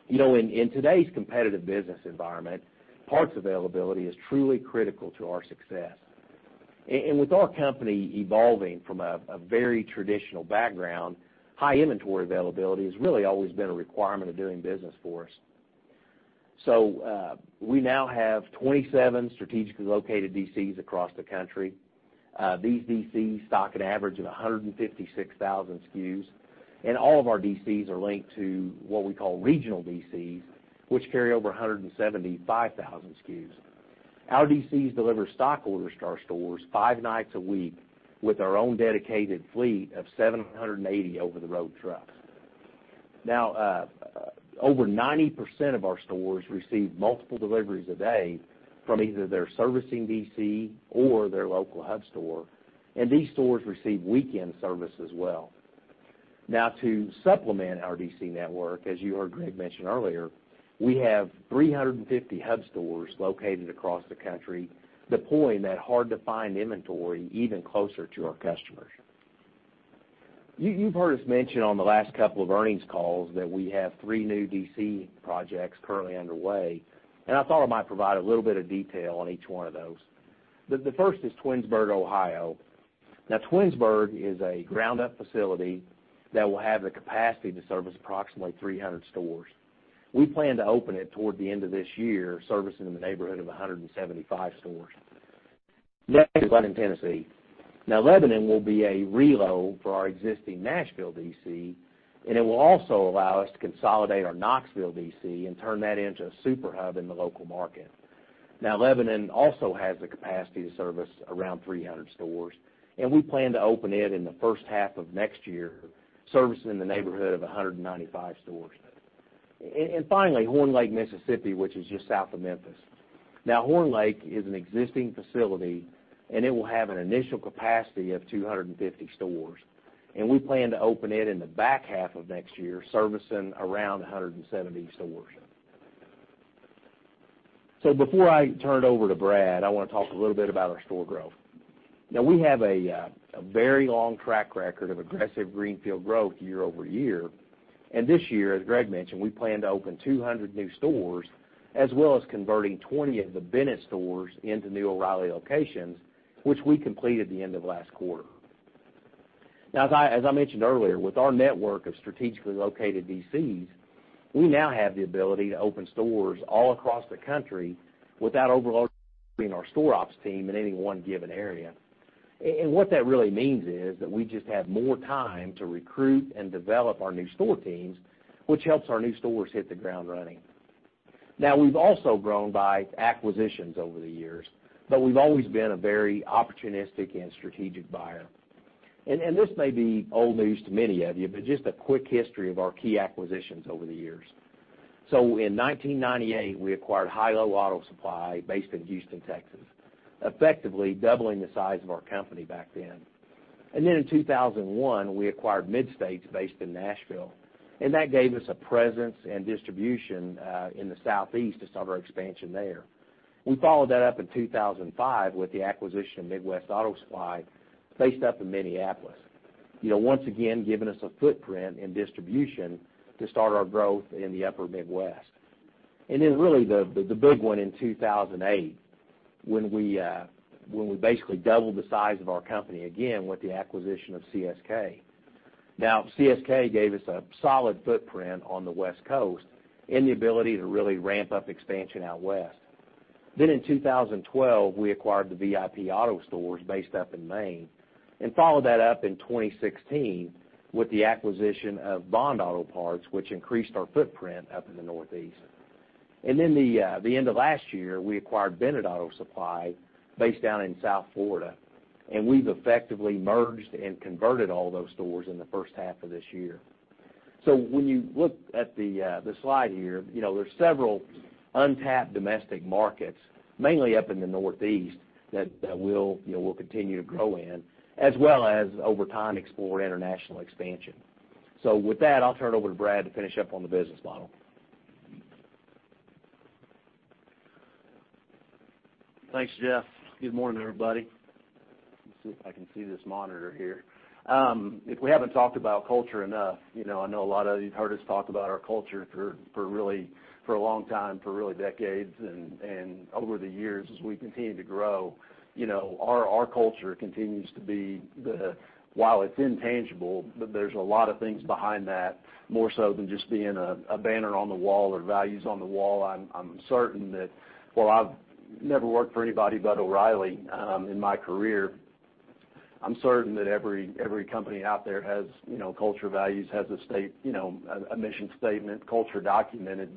You know, in today's competitive business environment, parts availability is truly critical to our success. With our company evolving from a very traditional background, high inventory availability has really always been a requirement of doing business for us. We now have 27 strategically located DCs across the country. These DCs stock an average of 156,000 SKUs, and all of our DCs are linked to what we call regional DCs, which carry over 175,000 SKUs. Our DCs deliver stock orders to our stores 5 nights a week with our own dedicated fleet of 780 over-the-road trucks. Over 90% of our stores receive multiple deliveries a day from either their servicing DC or their local hub store, and these stores receive weekend service as well. Now to supplement our DC network, as you heard Greg mention earlier, we have 350 hub stores located across the country, deploying that hard-to-find inventory even closer to our customers. You've heard us mention on the last couple of earnings calls that we have 3 new DC projects currently underway. I thought I might provide a little bit of detail on each one of those. The first is Twinsburg, Ohio. Twinsburg is a ground-up facility that will have the capacity to service approximately 300 stores. We plan to open it toward the end of this year, servicing in the neighborhood of 175 stores. Next is Lebanon, Tennessee. Lebanon will be a reload for our existing Nashville D.C., and it will also allow us to consolidate our Knoxville D.C. and turn that into a super hub in the local market. Lebanon also has the capacity to service around 300 stores, and we plan to open it in the first half of next year, servicing in the neighborhood of 195 stores. Finally, Horn Lake, Mississippi, which is just south of Memphis. Horn Lake is an existing facility, and it will have an initial capacity of 250 stores, and we plan to open it in the back half of next year, servicing around 170 stores. Before I turn it over to Brad, I wanna talk a little bit about our store growth. We have a very long track record of aggressive greenfield growth year over year. This year, as Greg mentioned, we plan to open 200 new stores as well as converting 20 of the Bennett stores into new O'Reilly locations, which we completed the end of last quarter. As I mentioned earlier, with our network of strategically located DCs, we now have the ability to open stores all across the country without overloading our store ops team in any one given area. What that really means is that we just have more time to recruit and develop our new store teams, which helps our new stores hit the ground running. We've also grown by acquisitions over the years, but we've always been a very opportunistic and strategic buyer. This may be old news to many of you, but just a quick history of our key acquisitions over the years. In 1998, we acquired Hi-Lo Auto Supply based in Houston, Texas, effectively doubling the size of our company back then. In 2001, we acquired Mid-State Automotive Distributors based in Nashville, and that gave us a presence and distribution in the Southeast to start our expansion there. We followed that up in 2005 with the acquisition of Midwest Auto Parts Distributors based up in Minneapolis. You know, once again, giving us a footprint and distribution to start our growth in the upper Midwest. Really the big one in 2008 when we, when we basically doubled the size of our company again with the acquisition of CSK Auto. CSK gave us a solid footprint on the West Coast and the ability to really ramp up expansion out west. In 2012, we acquired the VIP Auto stores based up in Maine. Followed that up in 2016 with the acquisition of Bond Auto Parts, which increased our footprint up in the Northeast. In the end of last year, we acquired Bennett Auto Supply based down in South Florida, and we've effectively merged and converted all those stores in the first half of this year. When you look at the slide here, you know, there's several untapped domestic markets, mainly up in the Northeast, that we'll, you know, we'll continue to grow in as well as over time explore international expansion. With that, I'll turn it over to Brad to finish up on the business model. Thanks, Jeff. Good morning, everybody. Let me see if I can see this monitor here. If we haven't talked about culture enough, you know, I know a lot of you've heard us talk about our culture for really, for a long time, for really decades and over the years as we continue to grow. You know, our culture continues to be while it's intangible, there's a lot of things behind that, more so than just being a banner on the wall or values on the wall. I'm certain that while I've never worked for anybody but O'Reilly, in my career, I'm certain that every company out there has, you know, culture values, has a mission statement, culture documented.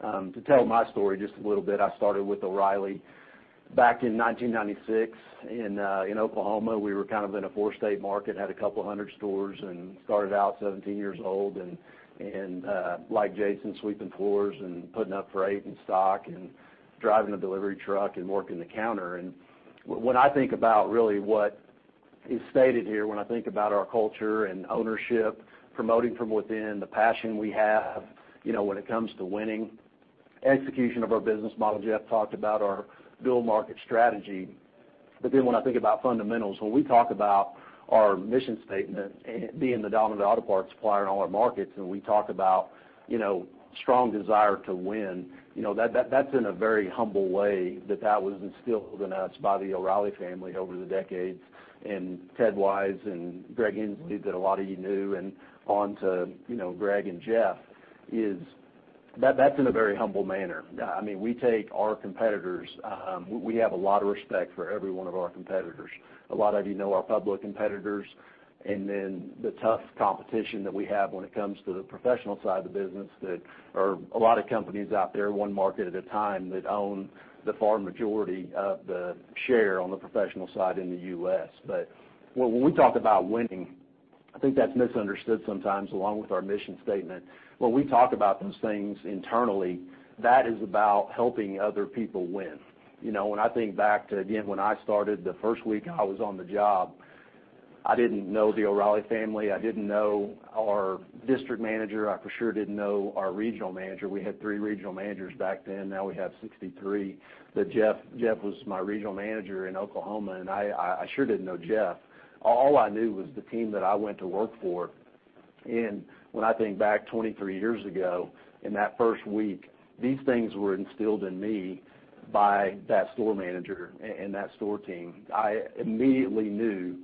To tell my story just a little bit, I started with O'Reilly back in 1996 in Oklahoma. We were kind of in a four-state market, had 200 stores and started out 17 years old and, like Jason, sweeping floors and putting up freight and stock and driving the delivery truck and working the counter. When I think about really what is stated here, when I think about our culture and ownership, promoting from within, the passion we have, you know, when it comes to winning, execution of our business model, Jeff talked about our build market strategy. When I think about fundamentals, when we talk about our mission statement and being the dominant auto parts supplier in all our markets, and we talk about, you know, strong desire to win, you know, that's in a very humble way that was instilled in us by the O'Reilly family over the decades, and Ted Wise and Greg Henslee that a lot of you knew and on to, you know, Greg and Jeff, is that's in a very humble manner. I mean, we take our competitors, we have a lot of respect for every one of our competitors. A lot of you know our public competitors and then the tough competition that we have when it comes to the professional side of the business that are a lot of companies out there, 1 market at a time, that own the far majority of the share on the professional side in the U.S. When we talk about winning, I think that's misunderstood sometimes along with our mission statement. When we talk about those things internally, that is about helping other people win. You know, when I think back to, again, when I started, the first week I was on the job, I didn't know the O'Reilly family. I didn't know our district manager. I for sure didn't know our regional manager. We had 3 regional managers back then. Now we have 63. Jeff was my regional manager in Oklahoma, and I sure didn't know Jeff. All I knew was the team that I went to work for. When I think back 23 years ago, in that first week, these things were instilled in me by that store manager and that store team. I immediately knew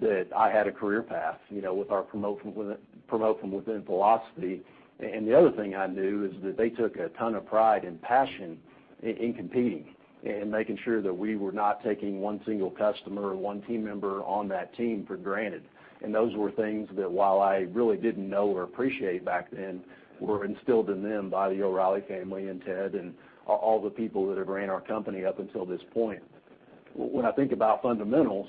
that I had a career path, you know, with our promote from within philosophy. The other thing I knew is that they took a ton of pride and passion in competing and making sure that we were not taking one single customer or one team member on that team for granted. Those were things that while I really didn't know or appreciate back then, were instilled in them by the O'Reilly family and Ted and all the people that have ran our company up until this point. When I think about fundamentals,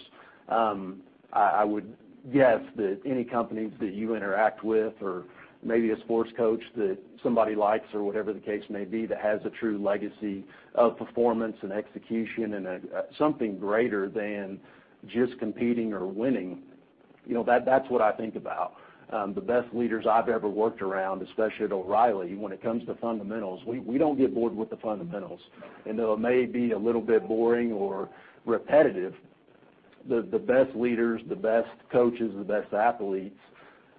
I would guess that any companies that you interact with or maybe a sports coach that somebody likes or whatever the case may be that has a true legacy of performance and execution, something greater than just competing or winning, you know, that's what I think about. The best leaders I've ever worked around, especially at O'Reilly, when it comes to fundamentals, we don't get bored with the fundamentals. Though it may be a little bit boring or repetitive, the best leaders, the best coaches, the best athletes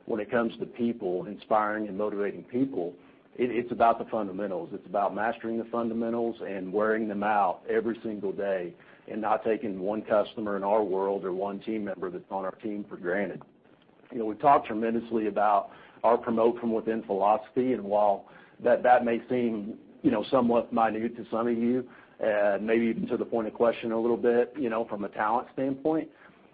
when it comes to people, inspiring and motivating people, it's about the fundamentals. It's about mastering the fundamentals and wearing them out every single day and not taking one customer in our world or one team member that's on our team for granted. You know, we talk tremendously about our promote from within philosophy. While that may seem, you know, somewhat minute to some of you, maybe even to the point of question a little bit, you know, from a talent standpoint.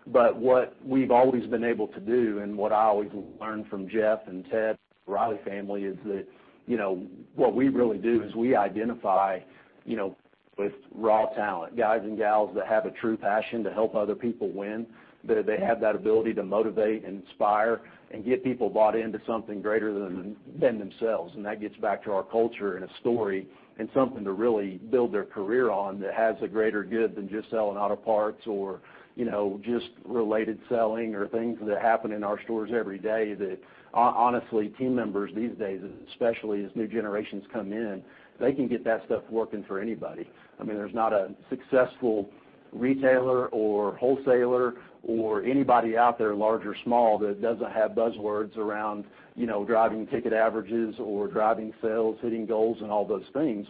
What we've always been able to do and what I always learned from Jeff and Ted, O'Reilly family is that, you know, what we really do is we identify, you know, with raw talent, guys and gals that have a true passion to help other people win, that they have that ability to motivate and inspire and get people bought into something greater than themselves. That gets back to our culture and a story and something to really build their career on that has a greater good than just selling auto parts or, you know, just related selling or things that happen in our stores every day that, honestly, team members these days, especially as new generations come in, they can get that stuff working for anybody. I mean, there's not a successful retailer or wholesaler or anybody out there, large or small, that doesn't have buzzwords around, you know, driving ticket averages or driving sales, hitting goals and all those things.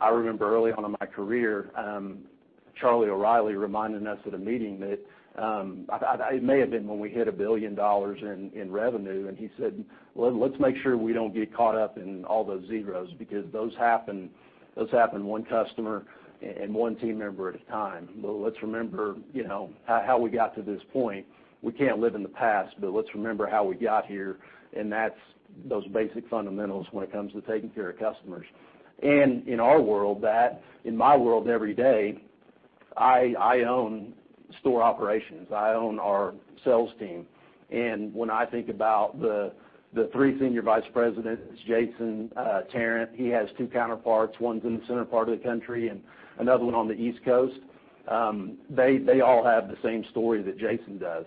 I remember early on in my career, Charlie O'Reilly reminded us at a meeting that it may have been when we hit $1 billion in revenue, and he said, "Well, let's make sure we don't get caught up in all those zeros because those happen, those happen one customer and one team member at a time. Let's remember, you know, how we got to this point. We can't live in the past, but let's remember how we got here, and that's those basic fundamentals when it comes to taking care of customers." In our world that, in my world every day, I own store operations. I own our sales team. When I think about the three senior vice presidents, Jason Tarrant, he has two counterparts, one's in the center part of the country and another one on the East Coast. They all have the same story that Jason does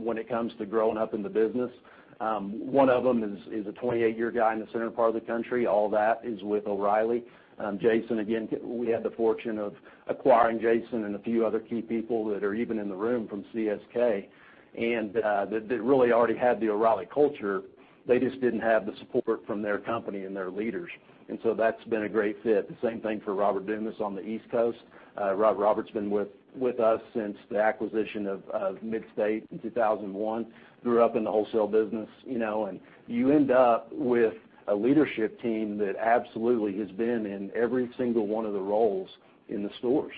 when it comes to growing up in the business. One of them is a 28-year guy in the center part of the country. All that is with O'Reilly. Jason, again, we had the fortune of acquiring Jason and a few other key people that are even in the room from CSK, that really already had the O'Reilly culture. They just didn't have the support from their company and their leaders, and so that's been a great fit. The same thing for Robert Dumas on the East Coast. Robert's been with us since the acquisition of Mid-State in 2001, grew up in the wholesale business, you know. You end up with a leadership team that absolutely has been in every single one of the roles in the stores.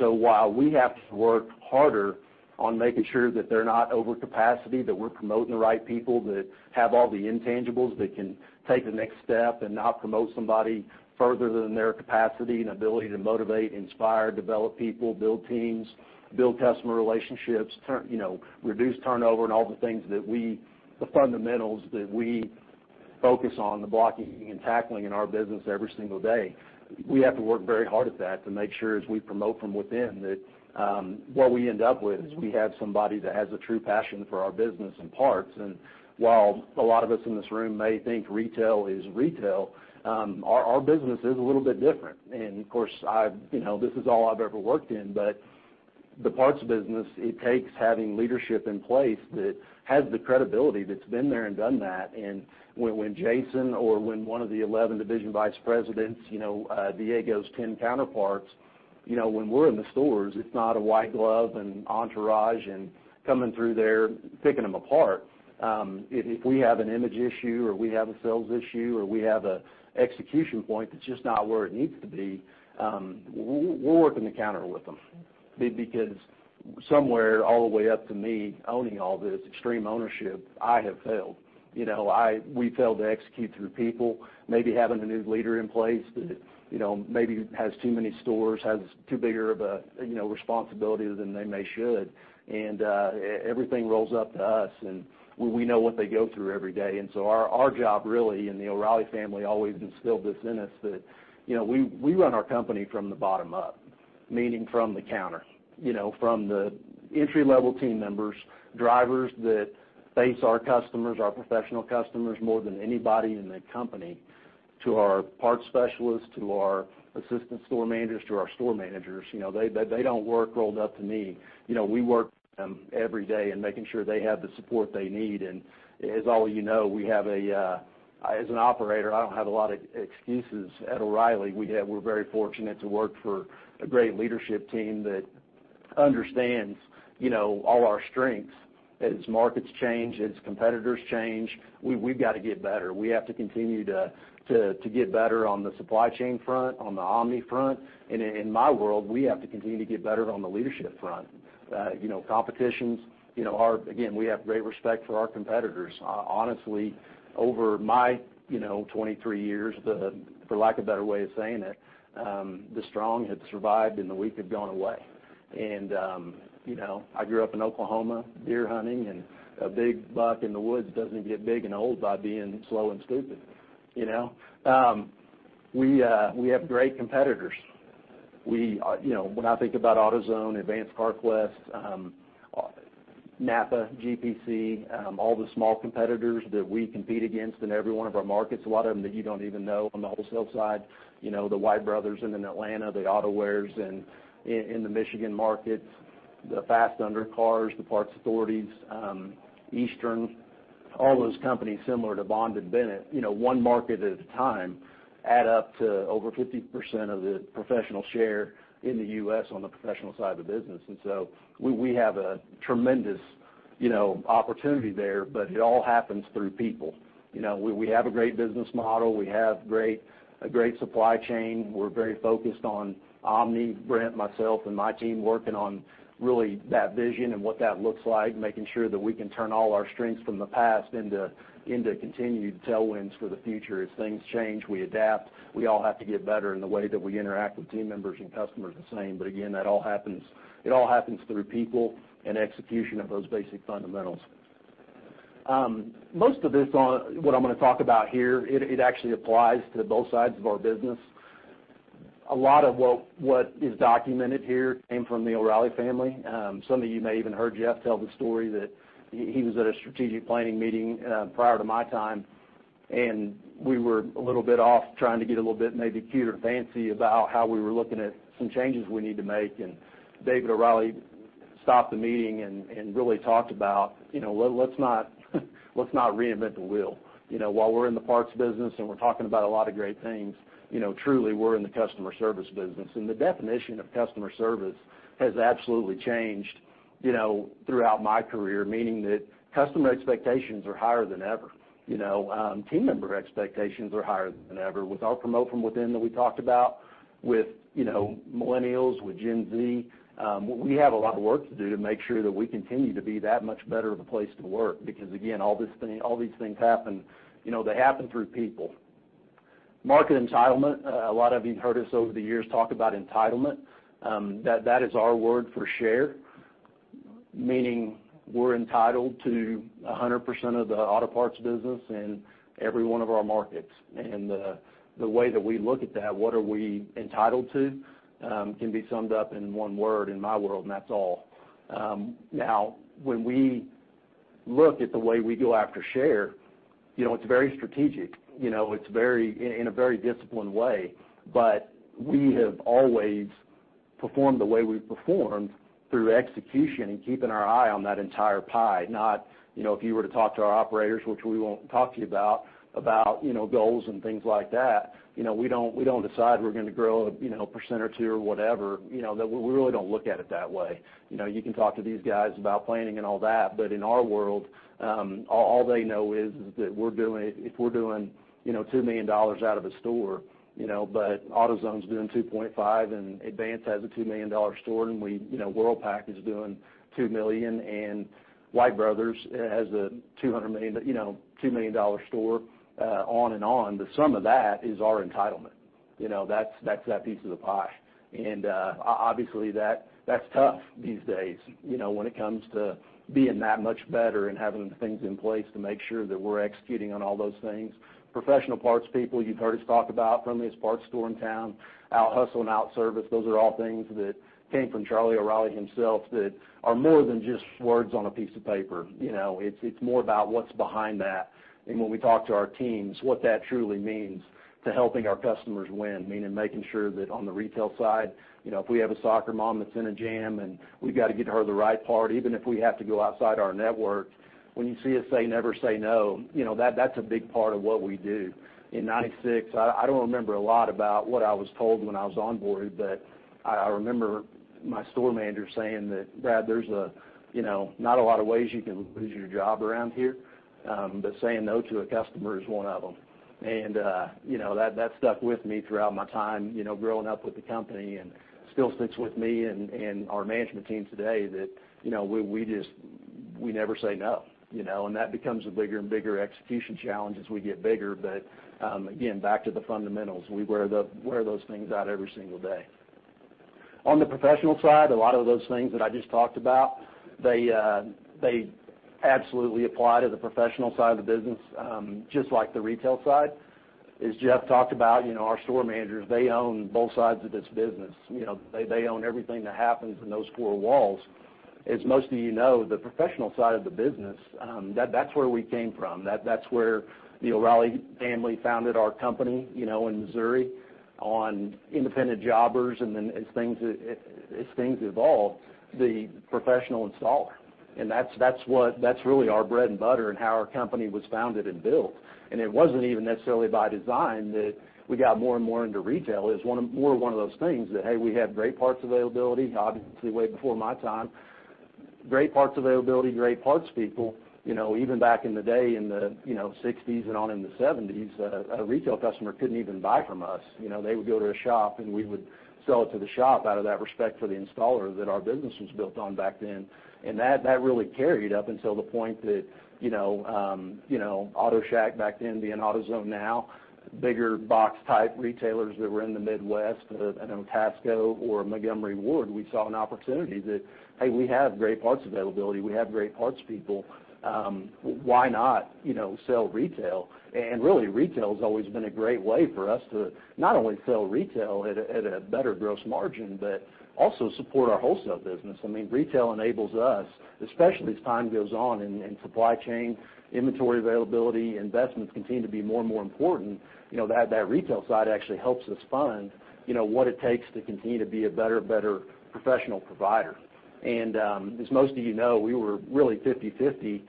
While we have to work harder on making sure that they're not over capacity, that we're promoting the right people that have all the intangibles that can take the next step and not promote somebody further than their capacity and ability to motivate, inspire, develop people, build teams, build customer relationships, turn, you know, reduce turnover and all the things that we, the fundamentals that we focus on, the blocking and tackling in our business every single day. We have to work very hard at that to make sure as we promote from within that, what we end up with is we have somebody that has a true passion for our business and parts. While a lot of us in this room may think retail is retail, our business is a little bit different. Of course, I've, you know, this is all I've ever worked in, but the parts business, it takes having leadership in place that has the credibility, that's been there and done that. When Jason or when one of the 11 division vice presidents, you know, Diego's 10 counterparts, you know, when we're in the stores, it's not a white glove and entourage and coming through there picking them apart. If we have an image issue or we have a sales issue, or we have a execution point that's just not where it needs to be, we'll work in the counter with them. Because somewhere all the way up to me owning all this extreme ownership, I have failed. You know, we failed to execute through people, maybe having a new leader in place that, you know, maybe has too many stores, has too bigger of a, you know, responsibility than they may should. Everything rolls up to us, and we know what they go through every day. Our job really, and the O'Reilly family always instilled this in us, that, you know, we run our company from the bottom up, meaning from the counter. You know, from the entry-level team members, drivers that face our customers, our professional customers, more than anybody in the company, to our parts specialists, to our assistant store managers, to our store managers. You know, they don't work rolled up to me. You know, we work with them every day and making sure they have the support they need. As all of you know, we have, as an operator, I don't have a lot of excuses at O'Reilly. We're very fortunate to work for a great leadership team that understands, you know, all our strengths. As markets change, as competitors change, we've got to get better. We have to continue to get better on the supply chain front, on the omni front. In my world, we have to continue to get better on the leadership front. you know, competitions, you know, we have great respect for our competitors. Honestly, over my, you know, 23 years, the, for lack of better way of saying it, the strong have survived and the weak have gone away. you know, I grew up in Oklahoma, deer hunting, and a big buck in the woods doesn't get big and old by being slow and stupid, you know? we have great competitors. We, you know, when I think about AutoZone, Advance Auto Parts, NAPA, GPC, all the small competitors that we compete against in every one of our markets, a lot of them that you don't even know on the wholesale side, you know, the White Brothers in an Atlanta, the Auto-Wares in the Michigan markets, the Fast Undercar, the Parts Authority, Eastern, all those companies similar to Bond and Bennett. You know, one market at a time add up to over 50% of the professional share in the U.S. on the professional side of the business. We, we have a tremendous, you know, opportunity there, but it all happens through people. You know, we have a great business model. We have a great supply chain. We're very focused on omni, Brent, myself and my team working on really that vision and what that looks like, making sure that we can turn all our strengths from the past into continued tailwinds for the future. As things change, we adapt. We all have to get better in the way that we interact with team members and customers the same. Again, it all happens through people and execution of those basic fundamentals. Most of this what I'm gonna talk about here, it actually applies to both sides of our business. A lot of what is documented here came from the O'Reilly family. Some of you may even heard Jeff Shaw tell the story that he was at a strategic planning meeting prior to my time. We were a little bit off trying to get a little bit maybe cute or fancy about how we were looking at some changes we need to make. David O'Reilly stopped the meeting and really talked about, you know, well, let's not, let's not reinvent the wheel. You know, while we're in the parts business and we're talking about a lot of great things, you know, truly we're in the customer service business. The definition of customer service has absolutely changed, you know, throughout my career, meaning that customer expectations are higher than ever. You know, team member expectations are higher than ever with our promote from within that we talked about with, you know, millennials, with Gen Z. We have a lot of work to do to make sure that we continue to be that much better of a place to work because again, all these things happen, you know, they happen through people. Market entitlement, a lot of you heard us over the years talk about entitlement. That, that is our word for share, meaning we're entitled to 100% of the auto parts business in every one of our markets. The way that we look at that, what are we entitled to, can be summed up in 1 word in my world, and that's all. Now when we look at the way we go after share, you know, it's very strategic, you know, in a very disciplined way. We have always performed the way we've performed through execution and keeping our eye on that entire pie, not, you know, if you were to talk to our operators, which we won't talk to you about, you know, goals and things like that, you know, we don't decide we're gonna grow, you know, 1% or 2% or whatever. You know, we really don't look at it that way. You know, you can talk to these guys about planning and all that, but in our world, all they know is that if we're doing, you know, $2 million out of a store, you know, but AutoZone's doing $2.5 million and Advance has a $2 million store and we, you know, Worldpac is doing $2 million and White Brothers has a $2 million store on and on. The sum of that is our entitlement. You know, that's that piece of the pie. Obviously, that's tough these days, you know, when it comes to being that much better and having the things in place to make sure that we're executing on all those things. Professional parts people, you've heard us talk about friendliest parts store in town, outhustle and outservice. Those are all things that came from Charlie O'Reilly himself that are more than just words on a piece of paper. You know, it's more about what's behind that. When we talk to our teams, what that truly means to helping our customers win, meaning making sure that on the retail side, you know, if we have a soccer mom that's in a jam and we've got to get her the right part, even if we have to go outside our network, when you see us say never say no, you know, that's a big part of what we do. In 96, I don't remember a lot about what I was told when I was onboarded, but I remember my store manager saying that, "Brad, there's a, you know, not a lot of ways you can lose your job around here, but saying no to a customer is one of them." You know, that stuck with me throughout my time, you know, growing up with the company and still sticks with me and our management team today that, you know, we just, we never say no. You know, that becomes a bigger and bigger execution challenge as we get bigger. Again, back to the fundamentals, we wear those things out every single day. On the professional side, a lot of those things that I just talked about, they absolutely apply to the professional side of the business, just like the retail side. As Jeff talked about, you know, our store managers, they own both sides of this business. You know, they own everything that happens in those four walls. As most of you know, the professional side of the business, that's where we came from. That's where the O'Reilly family founded our company, you know, in Missouri on independent jobbers, and then as things evolved, the professional installer. That's really our bread and butter and how our company was founded and built. It wasn't even necessarily by design that we got more and more into retail. It's more one of those things that, hey, we have great parts availability, obviously way before my time. Great parts availability, great parts people. You know, even back in the day in the, you know, 60s and on in the 70s, a retail customer couldn't even buy from us. You know, they would go to a shop, and we would sell it to the shop out of that respect for the installer that our business was built on back then. That really carried up until the point that, you know, Auto Shack back then being AutoZone now, bigger box-type retailers that were in the Midwest, I know Tasco or Montgomery Ward, we saw an opportunity that, hey, we have great parts availability. We have great parts people. Why not, you know, sell retail? Really, retail's always been a great way for us to not only sell retail at a better gross margin, but also support our wholesale business. I mean, retail enables us, especially as time goes on and supply chain, inventory availability, investments continue to be more and more important. You know, that retail side actually helps us fund, you know, what it takes to continue to be a better and better professional provider. As most of you know, we were really 50-50,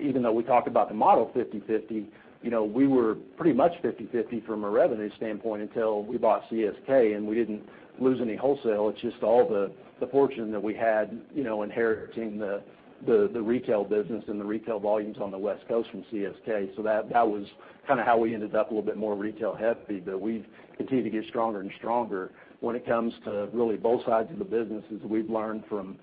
even though we talked about the model 50-50, you know, we were pretty much 50-50 from a revenue standpoint until we bought CSK, and we didn't lose any wholesale. It's just all the fortune that we had, you know, inheriting the retail business and the retail volumes on the West Coast from CSK. That was kind of how we ended up a little bit more retail-heavy. We've continued to get stronger and stronger when it comes to really both sides of the business as we've learned from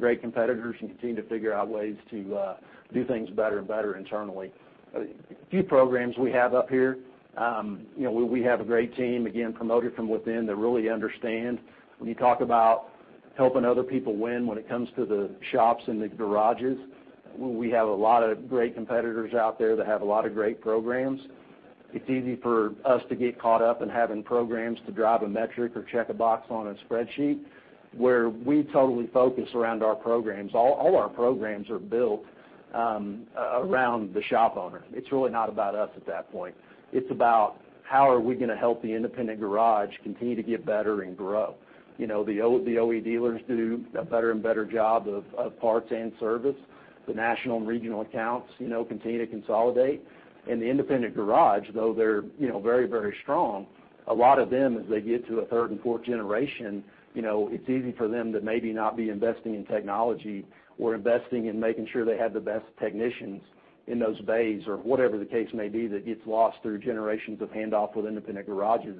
great competitors and continue to figure out ways to do things better and better internally. A few programs we have up here. You know, we have a great team, again, promoted from within, that really understand when you talk about helping other people win when it comes to the shops and the garages, we have a lot of great competitors out there that have a lot of great programs. It's easy for us to get caught up in having programs to drive a metric or check a box on a spreadsheet where we totally focus around our programs. All our programs are built around the shop owner. It's really not about us at that point. It's about how are we gonna help the independent garage continue to get better and grow. You know, the OE dealers do a better and better job of parts and service. The national and regional accounts, you know, continue to consolidate. The independent garage, though they're, you know, very strong, a lot of them, as they get to a third and fourth generation, you know, it's easy for them to maybe not be investing in technology or investing in making sure they have the best technicians in those bays or whatever the case may be that gets lost through generations of handoff with independent garages.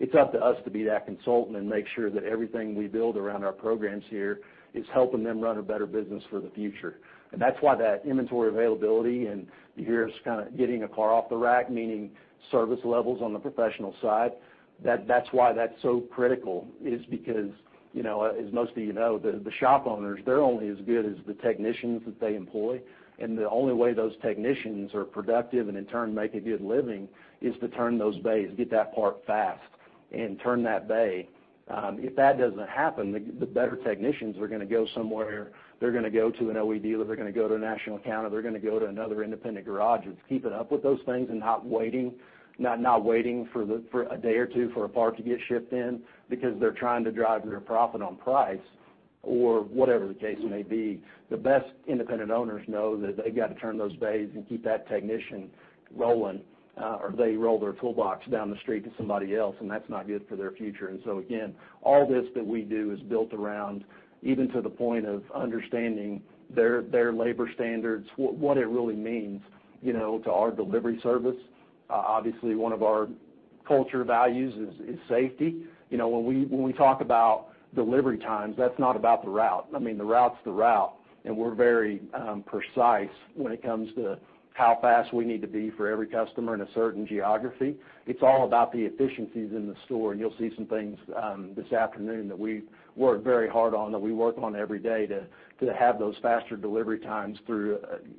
It's up to us to be that consultant and make sure that everything we build around our programs here is helping them run a better business for the future. That's why that inventory availability, you hear us kinda getting a car off the rack, meaning service levels on the professional side, that's why that's so critical is because, you know, as most of you know, the shop owners, they're only as good as the technicians that they employ. The only way those technicians are productive, and in turn make a good living, is to turn those bays, get that part fast, and turn that bay. If that doesn't happen, the better technicians are gonna go somewhere. They're gonna go to an OE dealer, they're gonna go to a national account, or they're gonna go to another independent garage that's keeping up with those things and not waiting for a day or two for a part to get shipped in because they're trying to drive their profit on price or whatever the case may be. The best independent owners know that they've got to turn those bays and keep that technician rolling, or they roll their toolbox down the street to somebody else. That's not good for their future. Again, all this that we do is built around even to the point of understanding their labor standards, what it really means, you know, to our delivery service. Obviously, one of our culture values is safety. You know, when we talk about delivery times, that's not about the route. I mean, the route's the route, and we're very precise when it comes to how fast we need to be for every customer in a certain geography. It's all about the efficiencies in the store. You'll see some things this afternoon that we work very hard on, that we work on every day to have those faster delivery times through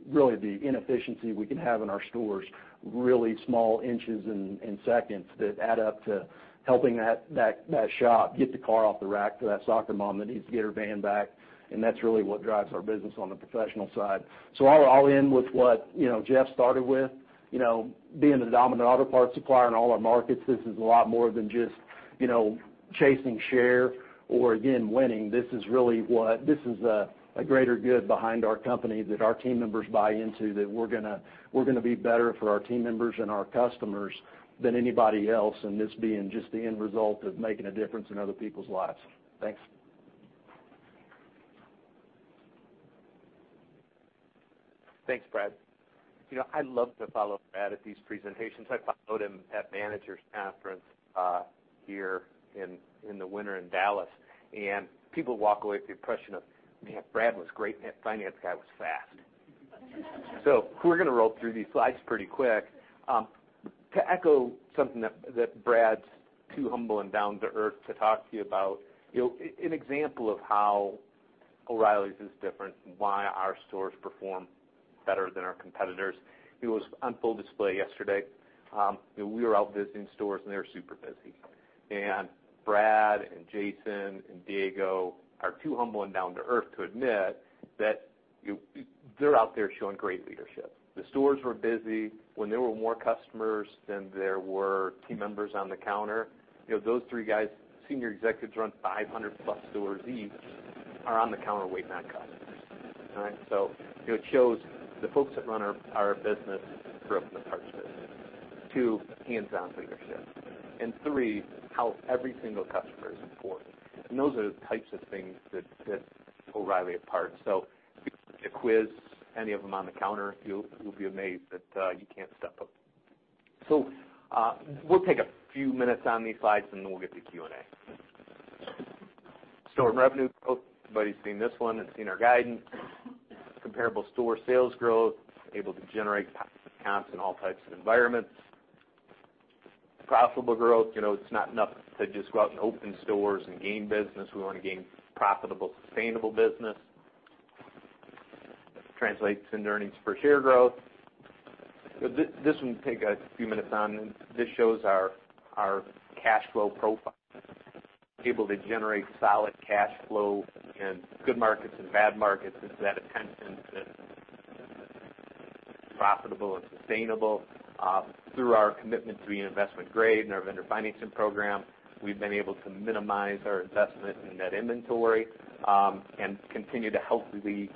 really the efficiency we can have in our stores, really small inches and seconds that add up to helping that shop get the car off the rack to that soccer mom that needs to get her van back, and that's really what drives our business on the professional side. I'll end with what, you know, Jeff started with. You know, being the dominant auto parts supplier in all our markets, this is a lot more than just, you know, chasing share or again, winning. This is a greater good behind our company that our team members buy into, that we're gonna be better for our team members and our customers than anybody else, and this being just the end result of making a difference in other people's lives. Thanks. Thanks, Brad. You know, I love to follow Brad at these presentations. I followed him at Leadership Conference here in the winter in Dallas. People walk away with the impression of, "Man, Brad was great, and that finance guy was fast." We're gonna roll through these slides pretty quick. To echo something that Brad's too humble and down-to-earth to talk to you about, you know, an example of how O'Reilly's is different and why our stores perform better than our competitors, it was on full display yesterday. You know, we were out visiting stores, they were super busy. Brad and Jason and Diego are too humble and down-to-earth to admit that, you know, they're out there showing great leadership. The stores were busy. When there were more customers than there were team members on the counter, you know, those 3 guys, senior executives run 500+ stores each, are on the counter waiting on customers. All right. It shows the folks that run our business grew up in the parts business. 2, hands-on leadership. 3, how every single customer is important. Those are the types of things that set O'Reilly apart. If you took a quiz, any of them on the counter, you'll be amazed that you can't step up. We'll take a few minutes on these slides, and then we'll get to Q&A. Store revenue growth. Everybody's seen this one and seen our guidance. Comparable store sales growth, able to generate positive comps in all types of environments, the profitable growth. It's not enough to just open stores and gain business. We want to gain profitable, sustainable business, translate into earnings per share growth. So this will take a few minutes on. And this shows our cash flow profile, able to generate solid cash flow in good markets and bad markets is that attention to profitable and sustainable, through our commitment to be an investment-grade in our vendor financing program. We've been able to minimize investment in net inventory and continue to help. We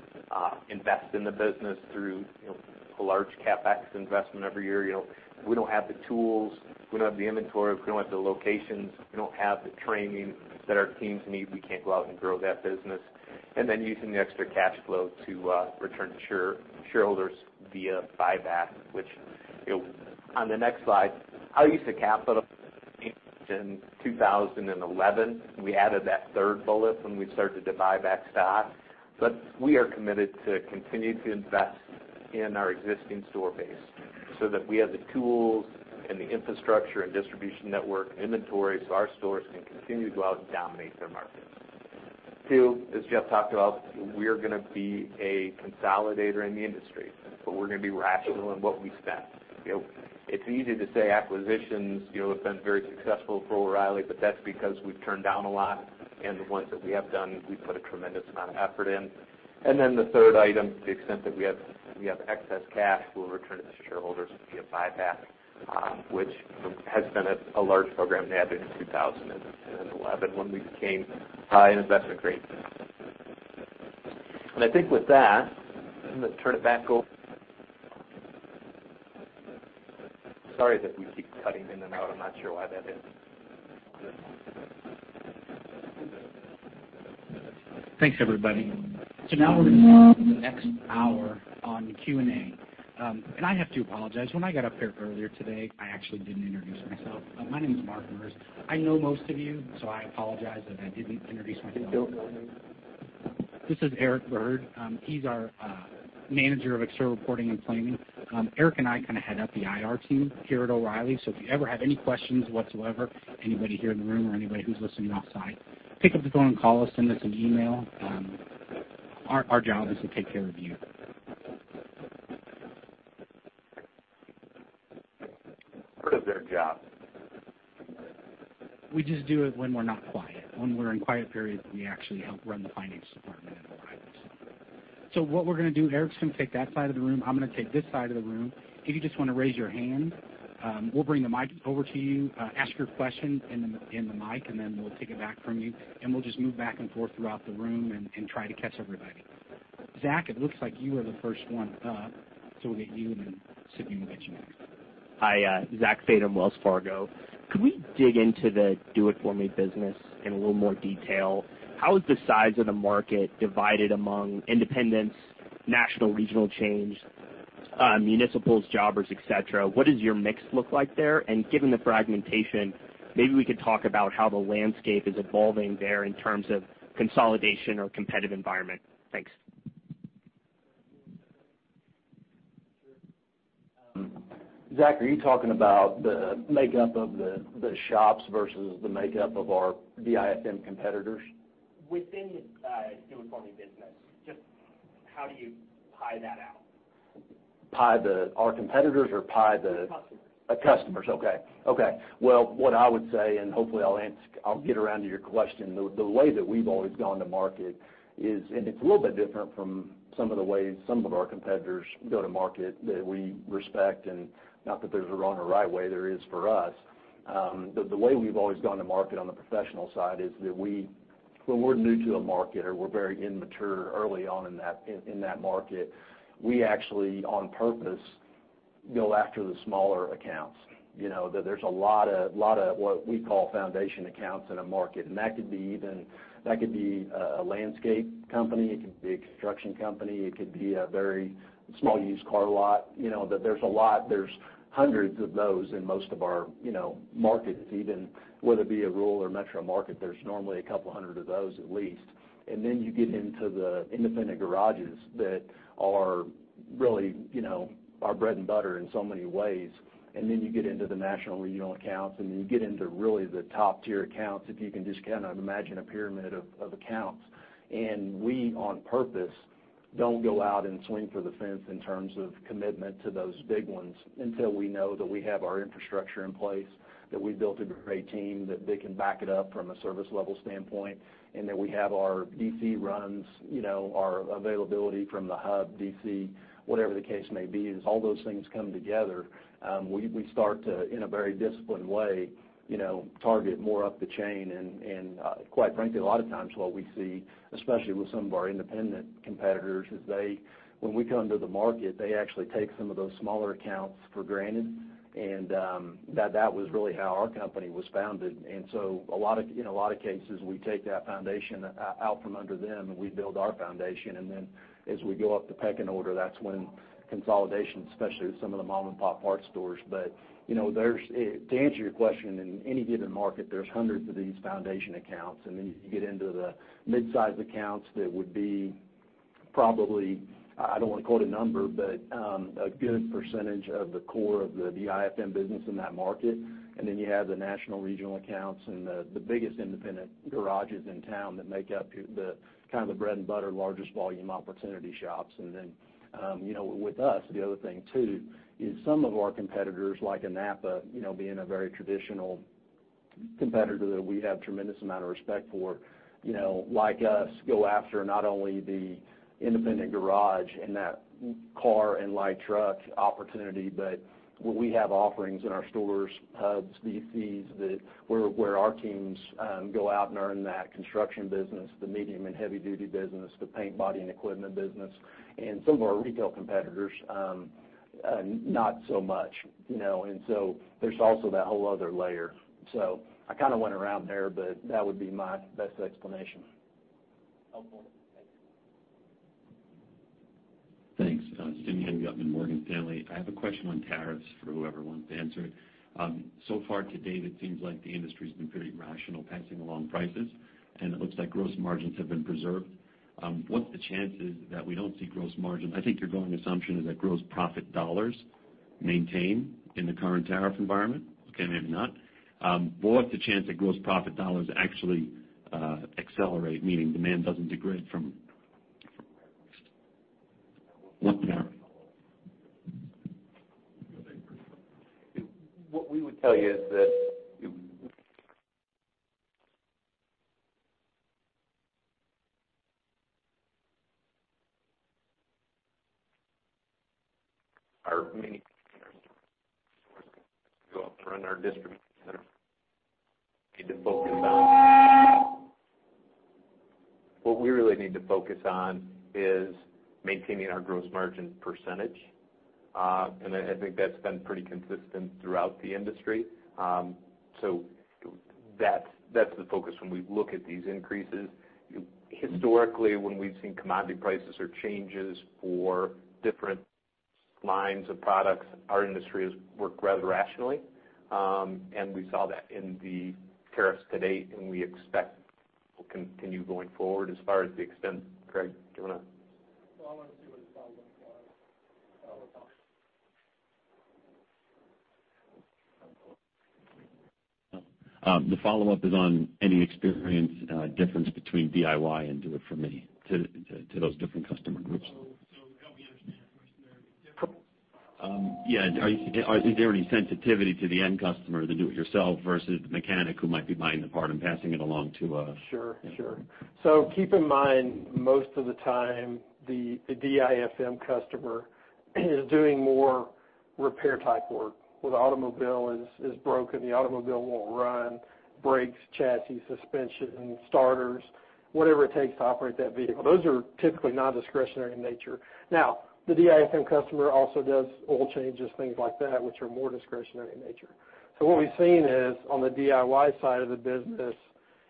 invest in the business through large CapEx investment every year. If we don't have the tools, we don't have the inventory, we don't have location, we don't have the training that our team needs. We can't go out and grow that business. And then using the extra cash flow to return to shareholders via buyback. On the next slide, use of capital. In 2011, we added the third bullet when we started to buy back stock, but we are committed to continue to invest in our existing store base so that we have the tools and the infrastructure and distribution network, inventories at our store and continue to go out and dominate the market Two, as Jeff talked about, we're gonna be a consolidator in the industry, but we're gonna be rational in what we spend. You know, it's easy to say acquisitions, you know, have been very successful for O'Reilly, but that's because we've turned down a lot, and the ones that we have done, we put a tremendous amount of effort in. Then the third item, to the extent that we have, we have excess cash, we'll return it to shareholders via buyback, which has been a large program, notably in 2011 when we became high investment grade. I think with that, I'm gonna turn it back over. Sorry that we keep cutting in and out. I'm not sure why that is. Thanks, everybody. Now we're going to spend the next one hour on Q&A. I have to apologize. When I got up here earlier today, I actually didn't introduce myself. My name is Mark Merz. I know most of you, so I apologize that I didn't introduce myself. This is Eric Bird. He's our Manager of external reporting and planning. Eric and I kind of head up the IR team here at O'Reilly. If you ever have any questions whatsoever, anybody here in the room or anybody who's listening outside, pick up the phone and call us, send us an email. Our job is to take care of you. What is their job? We just do it when we're not quiet. When we're in quiet periods, we actually help run the finance department at O'Reilly. What we're going to do, Eric's going to take that side of the room, I'm going to take this side of the room. If you just want to raise your hand, we'll bring the mic over to you, ask your question in the mic, and then we'll take it back from you. We'll just move back and forth throughout the room and try to catch everybody. Zach, it looks like you are the first one up, we'll get you and then Sydney, we'll get you next. Hi. Zach Fadem, Wells Fargo. Could we dig into the Do It For Me business in a little more detail? How is the size of the market divided among independents, national regional chains, municipals, jobbers, et cetera? What does your mix look like there? And given the fragmentation, maybe we could talk about how the landscape is evolving there in terms of consolidation or competitive environment. Thanks. Zach, are you talking about the makeup of the shops versus the makeup of our DIFM competitors? Within the Do It For Me business, just how do you pie that out? Our competitors. The customers. The customers. Okay. Okay. Well, what I would say, and hopefully I'll get around to your question. The way that we've always gone to market is. It's a little bit different from some of the ways some of our competitors go to market that we respect, and not that there's a wrong or right way, there is for us. The way we've always gone to market on the professional side is that we, when we're new to a market or we're very immature early on in that market, we actually, on purpose, go after the smaller accounts. You know, there's a lot of what we call foundation accounts in a market, and that could be even, that could be a landscape company, it could be a construction company, it could be a very small used car lot. You know, there's a lot, there's hundreds of those in most of our, you know, markets, even whether it be a rural or metro market, there's normally a couple hundred of those at least. Then you get into the independent garages that are really, you know, our bread and butter in so many ways. Then you get into the national regional accounts, and then you get into really the top-tier accounts, if you can just kind of imagine a pyramid of accounts. We, on purpose, don't go out and swing for the fence in terms of commitment to those big ones until we know that we have our infrastructure in place, that we built a great team, that they can back it up from a service level standpoint, and that we have our DC runs, you know, our availability from the hub DC, whatever the case may be. As all those things come together, we start to, in a very disciplined way, you know, target more up the chain. Quite frankly, a lot of times what we see, especially with some of our independent competitors, is when we come to the market, they actually take some of those smaller accounts for granted, and that was really how our company was founded. A lot of, in a lot of cases, we take that foundation out from under them, and we build our foundation. Then as we go up the pecking order, that's when consolidation, especially with some of the mom-and-pop parts stores. You know, there's To answer your question, in any given market, there's hundreds of these foundation accounts, then you get into the mid-size accounts that would be probably, I don't wanna quote a number, but a good percentage of the core of the DIFM business in that market. Then you have the national regional accounts and the biggest independent garages in town that make up the kinda the bread and butter, largest volume opportunity shops. You know, with us, the other thing too is some of our competitors, like a NAPA, you know, being a very traditional competitor that we have tremendous amount of respect for, you know, like us, go after not only the independent garage and that car and light truck opportunity. We have offerings in our stores, hubs, DCs that where our teams go out and earn that construction business, the medium and heavy-duty business, the paint, body, and equipment business. Some of our retail competitors not so much, you know. There's also that whole other layer. I kinda went around there, but that would be my best explanation. Helpful. Thanks. Thanks. Simeon Gutman, Morgan Stanley. I have a question on tariffs for whoever wants to answer it. So far to date, it seems like the industry's been pretty rational passing along prices, and it looks like gross margins have been preserved. What's the chances that we don't see gross margin? I think your going assumption is that gross profit dollars maintain in the current tariff environment. Okay, maybe not. What was the chance that gross profit dollars actually accelerate, meaning demand doesn't degrade from one tariff? What we really need to focus on is maintaining our gross margin percentage. I think that's been pretty consistent throughout the industry. That's the focus when we look at these increases. Historically, when we've seen commodity prices or changes for different lines of products, our industry has worked rather rationally. We saw that in the tariffs to date, and we expect will continue going forward as far as the extent. Greg, do you wanna? I wanna see what his follow-up was. The follow-up is on any experience, difference between DIY and do it for me to those different customer groups. Help me understand. There are differences? Yeah. Are there any sensitivity to the end customer, the do it yourself versus the mechanic who might be buying the part and passing it along? Sure, sure. Keep in mind, most of the time, the DIFM customer is doing more repair type work where the automobile is broken, the automobile won't run, brakes, chassis, suspension, starters, whatever it takes to operate that vehicle. Those are typically nondiscretionary in nature. The DIFM customer also does oil changes, things like that, which are more discretionary in nature. What we've seen is on the DIY side of the business,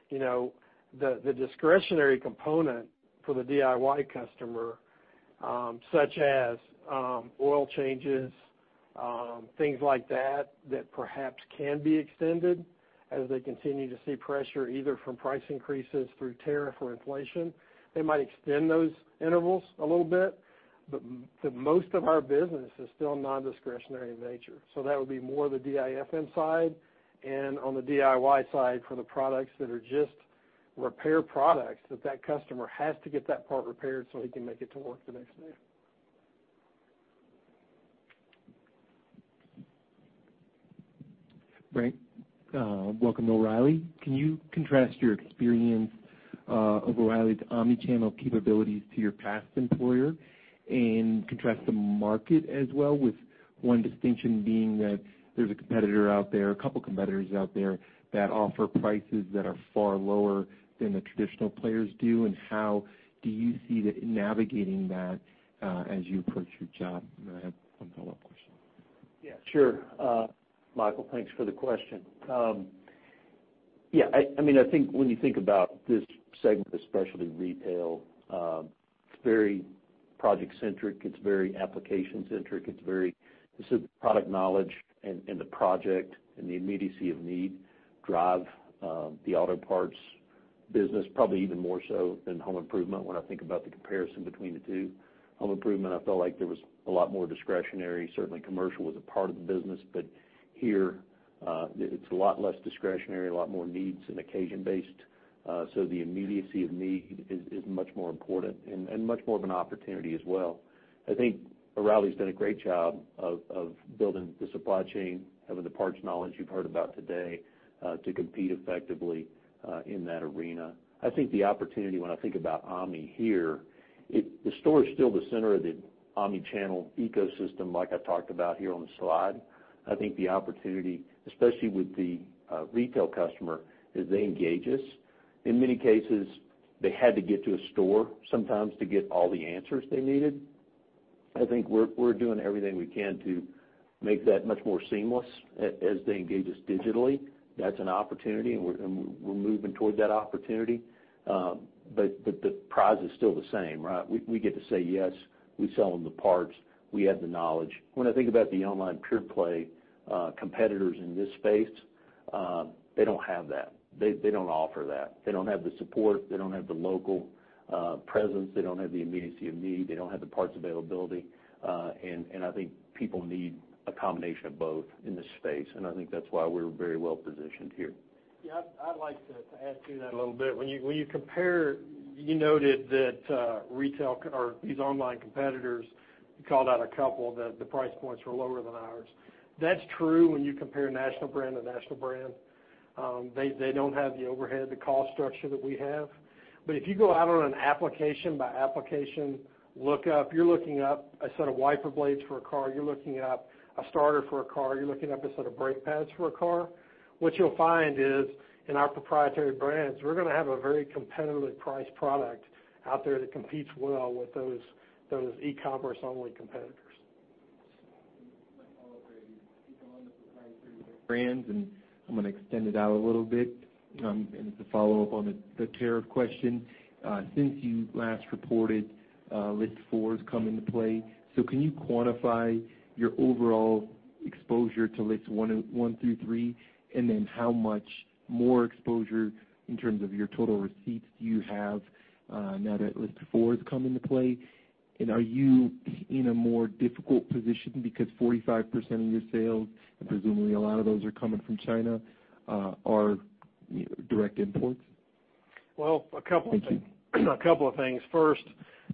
you know, the discretionary component for the DIY customer, such as oil changes, things like that perhaps can be extended as they continue to see pressure either from price increases through tariff or inflation, they might extend those intervals a little bit. Most of our business is still nondiscretionary in nature. That would be more the DIFM side. On the DIY side for the products that are just repair products, that that customer has to get that part repaired so he can make it to work the next day. Brent, welcome to O'Reilly. Can you contrast your experience of O'Reilly's omni-channel capabilities to your past employer and contrast the market as well with one distinction being that there's a competitor out there, a couple competitors out there that offer prices that are far lower than the traditional players do, and how do you see navigating that as you approach your job? I have one follow-up question. Michael, thanks for the question. I think when you think about this segment, especially retail, it's very project centric, it's very application centric, this is product knowledge and the project and the immediacy of need drive the auto parts business probably even more so than home improvement when I think about the comparison between the two. Home improvement, I felt like there was a lot more discretionary. Certainly commercial was a part of the business, here, it's a lot less discretionary, a lot more needs and occasion-based. The immediacy of need is much more important and much more of an opportunity as well. I think O'Reilly's done a great job of building the supply chain, having the parts knowledge you've heard about today, to compete effectively in that arena. I think the opportunity when I think about omni here, the store is still the center of the omni-channel ecosystem like I talked about here on the slide. I think the opportunity, especially with the retail customer, is they engage us. In many cases, they had to get to a store sometimes to get all the answers they needed. I think we're doing everything we can to make that much more seamless as they engage us digitally. That's an opportunity, we're moving toward that opportunity. The prize is still the same, right? We get to say yes, we sell them the parts, we have the knowledge. When I think about the online pure play competitors in this space, they don't have that. They don't offer that. They don't have the support. They don't have the local presence. They don't have the immediacy of need. They don't have the parts availability. I think people need a combination of both in this space. I think that's why we're very well positioned here. Yeah. I'd like to add to that a little bit. When you compare, you noted that retail or these online competitors, you called out a couple that the price points were lower than ours. That's true when you compare national brand to national brand. They don't have the overhead, the cost structure that we have. If you go out on an application by application lookup, you're looking up a set of wiper blades for a car, you're looking up a starter for a car, you're looking up a set of brake pads for a car, what you'll find is in our proprietary brands, we're gonna have a very competitively priced product out there that competes well with those e-commerce only competitors. My follow-up for you. You touched on the proprietary brands, and I'm gonna extend it out a little bit, and to follow up on the tariff question. Since you last reported. List fours come into play. Can you quantify your overall exposure to Lists one through three, and then how much more exposure in terms of your total receipts do you have, now that List four has come into play? Are you in a more difficult position because 45% of your sales, and presumably a lot of those are coming from China, are, you know, direct imports? Well, a couple of things. Thank you. A couple of things. First,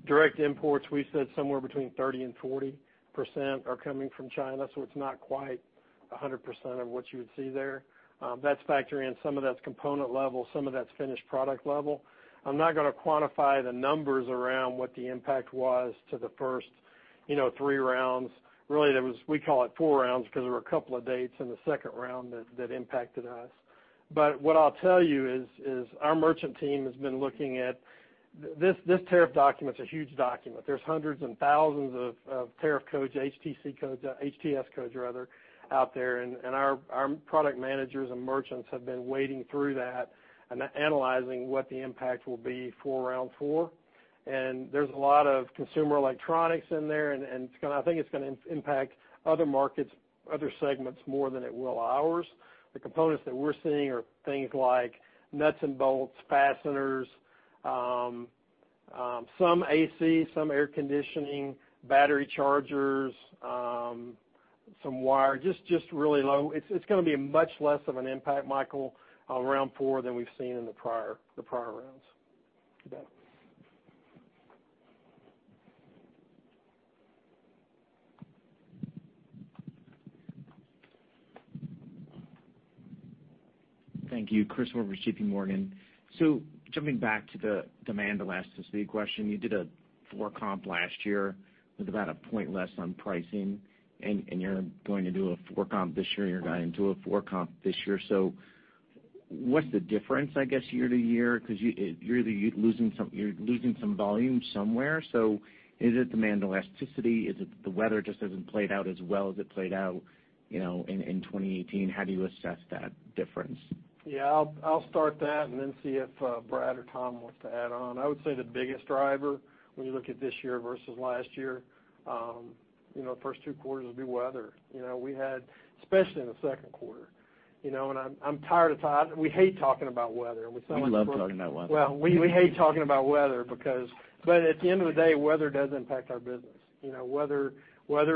direct imports, we said somewhere between 30% and 40% are coming from China, so it's not quite 100% of what you would see there. That's factoring in some of that's component level, some of that's finished product level. I'm not gonna quantify the numbers around what the impact was to the first, you know, three rounds. Really, we call it four rounds because there were a couple of dates in the 2nd round that impacted us. What I'll tell you is, our merchant team has been looking at this tariff document's a huge document. There's hundreds and thousands of tariff codes, HTS codes, HTS codes rather out there, and our product managers and merchants have been wading through that analyzing what the impact will be for round four. There's a lot of consumer electronics in there, and I think it's gonna impact other markets, other segments more than it will ours. The components that we're seeing are things like nuts and bolts, fasteners, some AC, some air conditioning, battery chargers, some wire, just really low. It's gonna be a much less of an impact, Michael, on round 4 than we've seen in the prior rounds. Okay. Thank you. Chris with JPMorgan. Jumping back to the demand elasticity question, you did a four comp last year with about a point less on pricing, and you're going to do a four comp this year, and you're guiding to a four comp this year. What's the difference, I guess, year-to-year? 'Cause you're losing some volume somewhere. Is it demand elasticity? Is it the weather just hasn't played out as well as it played out, you know, in 2018? How do you assess that difference? Yeah, I'll start that and then see if Brad or Tom wants to add on. I would say the biggest driver when you look at this year versus last year, you know, the first two quarters would be weather. You know, we had, especially in the second quarter, you know, We hate talking about weather. We love talking about weather. Well, we hate talking about weather because at the end of the day, weather does impact our business. You know, weather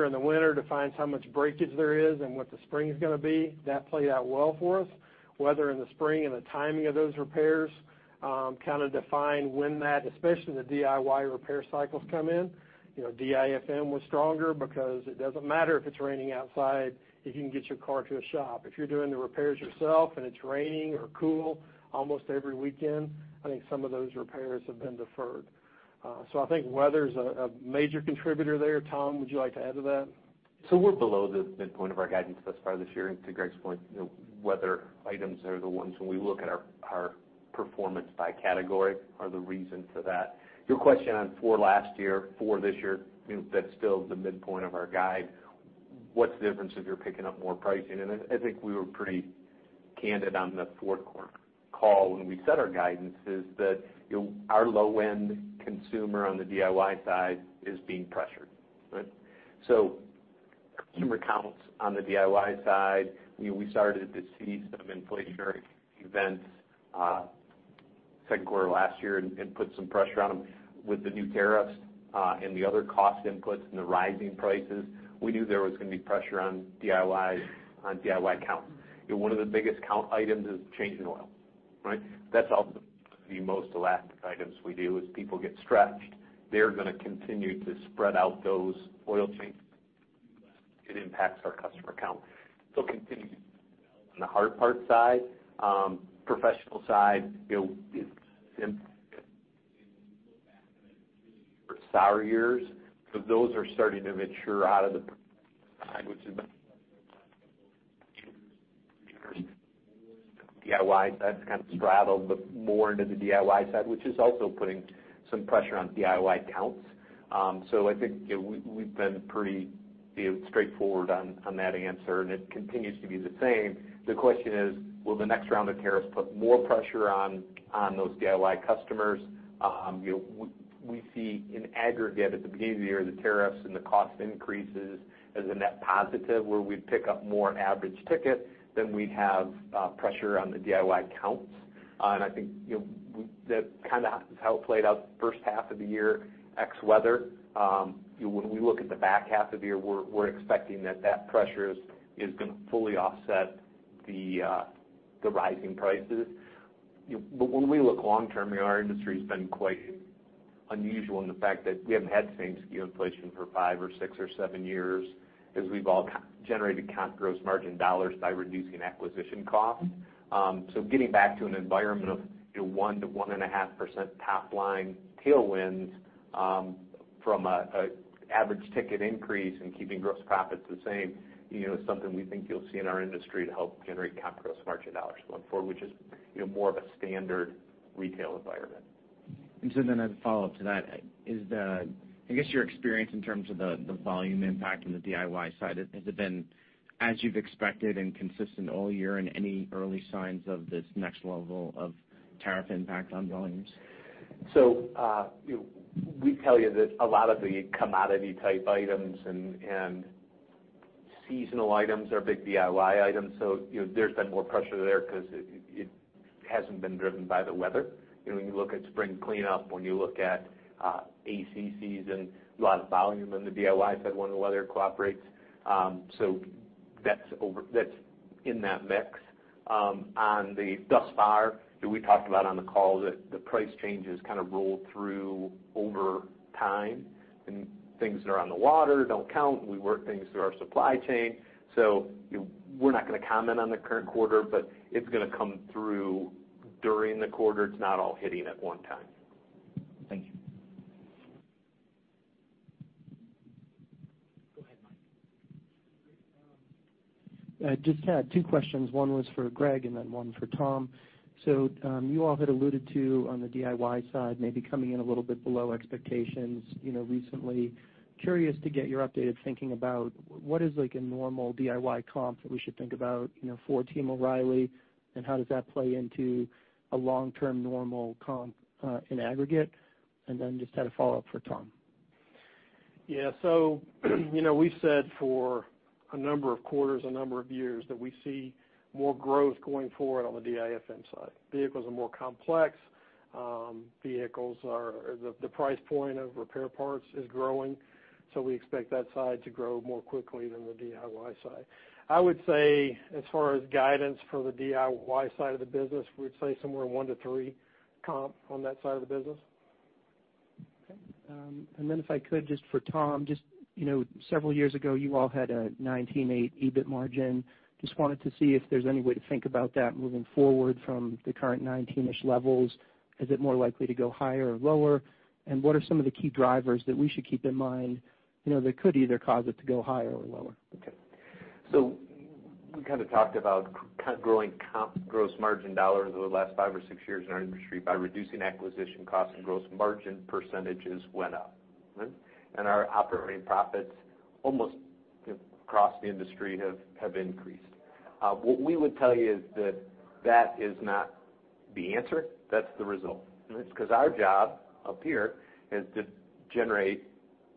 in the winter defines how much breakage there is and what the spring's gonna be. That played out well for us. Weather in the spring and the timing of those repairs, kinda defined when that, especially the DIY repair cycles come in. You know, DIFM was stronger because it doesn't matter if it's raining outside if you can get your car to a shop. If you're doing the repairs yourself and it's raining or cool almost every weekend, I think some of those repairs have been deferred. I think weather's a major contributor there. Tom, would you like to add to that? We're below the midpoint of our guidance thus far this year. To Greg's point, you know, weather items are the ones when we look at our performance by category are the reason for that. Your question on four last year, four this year, you know, that's still the midpoint of our guide. What's the difference if you're picking up more pricing? I think we were pretty candid on the fourth quarter call when we set our guidance is that, you know, our low-end consumer on the DIY side is being pressured, right? Consumer counts on the DIY side, you know, we started to see some inflationary events, second quarter last year and put some pressure on them. With the new tariffs, and the other cost inputs and the rising prices, we knew there was gonna be pressure on DIY, on DIY count. You know, one of the biggest count items is changing oil, right? That's also the most elastic items we do. As people get stretched, they're gonna continue to spread out those oil changes. It impacts our customer count. Continue to develop on the hard part side, professional side, you know, it's impact and when you look back on it really for four years, but those are starting to mature out of the side, which is DIY side's kind of straddled, but more into the DIY side, which is also putting some pressure on DIY counts. I think, you know, we've been pretty, you know, straightforward on that answer, and it continues to be the same. The question is, will the next round of tariffs put more pressure on those DIY customers? you know, we see in aggregate at the beginning of the year, the tariffs and the cost increases as a net positive where we'd pick up more average ticket than we'd have pressure on the DIY counts. I think, you know, that kinda is how it played out the first half of the year, ex-weather. you know, when we look at the back half of the year, we're expecting that that pressure is gonna fully offset the rising prices. When we look long term, you know, our industry's been quite unusual in the fact that we haven't had the same SKU inflation for five or six or seven years as we've all generated count gross margin dollars by reducing acquisition costs. Getting back to an environment of, you know, 1% to 1.5% top-line tailwinds, from an average ticket increase and keeping gross profits the same, you know, is something we think you'll see in our industry to help generate count gross margin dollars going forward, which is, you know, more of a standard retail environment. As a follow-up to that, I guess your experience in terms of the volume impact on the DIY side, has it been as you've expected and consistent all year, and any early signs of this next level of tariff impact on volumes? You know, we tell you that a lot of the commodity type items and seasonal items are big DIY items, you know, there's been more pressure there 'cause it hasn't been driven by the weather. You know, when you look at spring cleanup, when you look at A/C season, a lot of volume in the DIY side when the weather cooperates. That's in that mix. On the thus far that we talked about on the call that the price changes kind of rolled through over time, and things that are on the water don't count. We work things through our supply chain. You know, we're not gonna comment on the current quarter, but it's gonna come through during the quarter. It's not all hitting at one time. Thank you. Go ahead, Mike. I just had two questions. One was for Greg and then one for Tom. You all had alluded to, on the DIY side, maybe coming in a little bit below expectations, you know, recently. Curious to get your updated thinking about what is, like, a normal DIY comp that we should think about, you know, for Team O'Reilly, and how does that play into a long-term normal comp in aggregate? Just had a follow-up for Tom. Yeah. You know, we said for a number of quarters, a number of years, that we see more growth going forward on the DIFM side. Vehicles are more complex. The price point of repair parts is growing, we expect that side to grow more quickly than the DIY side. I would say as far as guidance for the DIY side of the business, we'd say somewhere 1 to 3 comp on that side of the business. Okay. Then if I could, just for Tom, just, you know, several years ago, you all had a 19.8% EBIT margin. Just wanted to see if there's any way to think about that moving forward from the current 19-ish levels. Is it more likely to go higher or lower? What are some of the key drivers that we should keep in mind, you know, that could either cause it to go higher or lower? Okay. We kind of talked about growing comp gross margin dollars over the last five or six years in our industry by reducing acquisition costs and gross margin percentages went up, all right? Our operating profits almost across the industry have increased. What we would tell you is that that is not the answer. That's the result, all right? 'Cause our job up here is to generate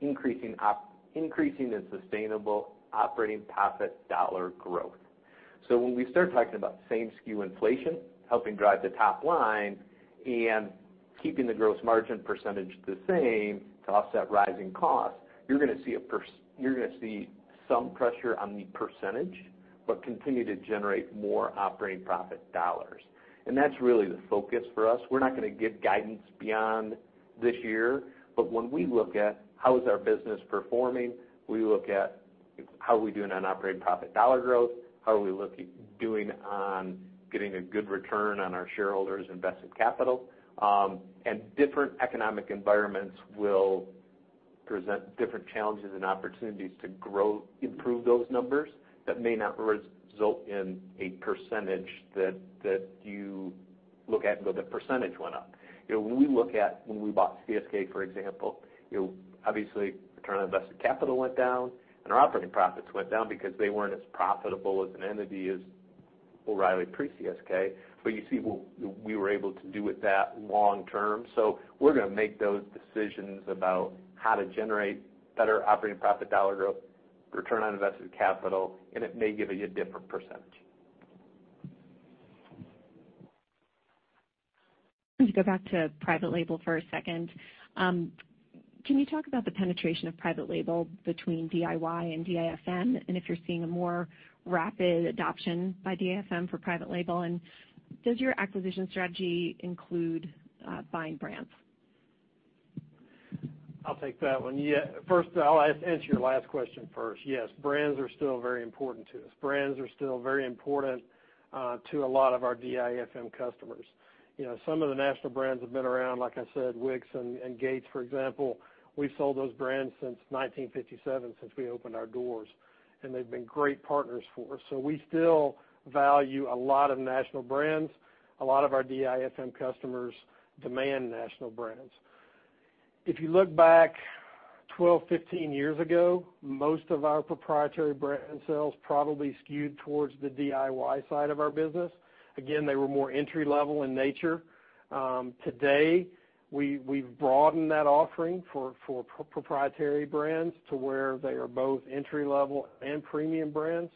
increasing and sustainable operating profit dollar growth. When we start talking about same SKU inflation helping drive the top line and keeping the gross margin percentage the same to offset rising costs, you're gonna see some pressure on the percentage, but continue to generate more operating profit dollars, and that's really the focus for us. We're not gonna give guidance beyond this year, but when we look at how is our business performing, we look at how are we doing on operating profit dollar growth, how are we doing on getting a good return on our shareholders' invested capital. And different economic environments will present different challenges and opportunities to grow, improve those numbers that may not result in a percentage that you look at and go, "The percentage went up." You know, when we look at when we bought CSK, for example, you know, obviously return on invested capital went down and our operating profits went down because they weren't as profitable as an entity as O'Reilly pre-CSK, but you see we were able to do with that long term. We're gonna make those decisions about how to generate better operating profit dollar growth, return on invested capital, and it may give you a different percentage. To go back to private label for a second, can you talk about the penetration of private label between DIY and DIFM, and if you're seeing a more rapid adoption by DIFM for private label? Does your acquisition strategy include buying brands? I'll take that one. Yeah. First, I'll answer your last question first. Yes, brands are still very important to us. Brands are still very important to a lot of our DIFM customers. You know, some of the national brands have been around, like I said, Wix and Gates, for example. We've sold those brands since 1957, since we opened our doors, and they've been great partners for us. We still value a lot of national brands. A lot of our DIFM customers demand national brands. If you look back 12, 15 years ago, most of our proprietary brand sales probably skewed towards the DIY side of our business. Again, they were more entry-level in nature. Today, we've broadened that offering for proprietary brands to where they are both entry-level and premium brands,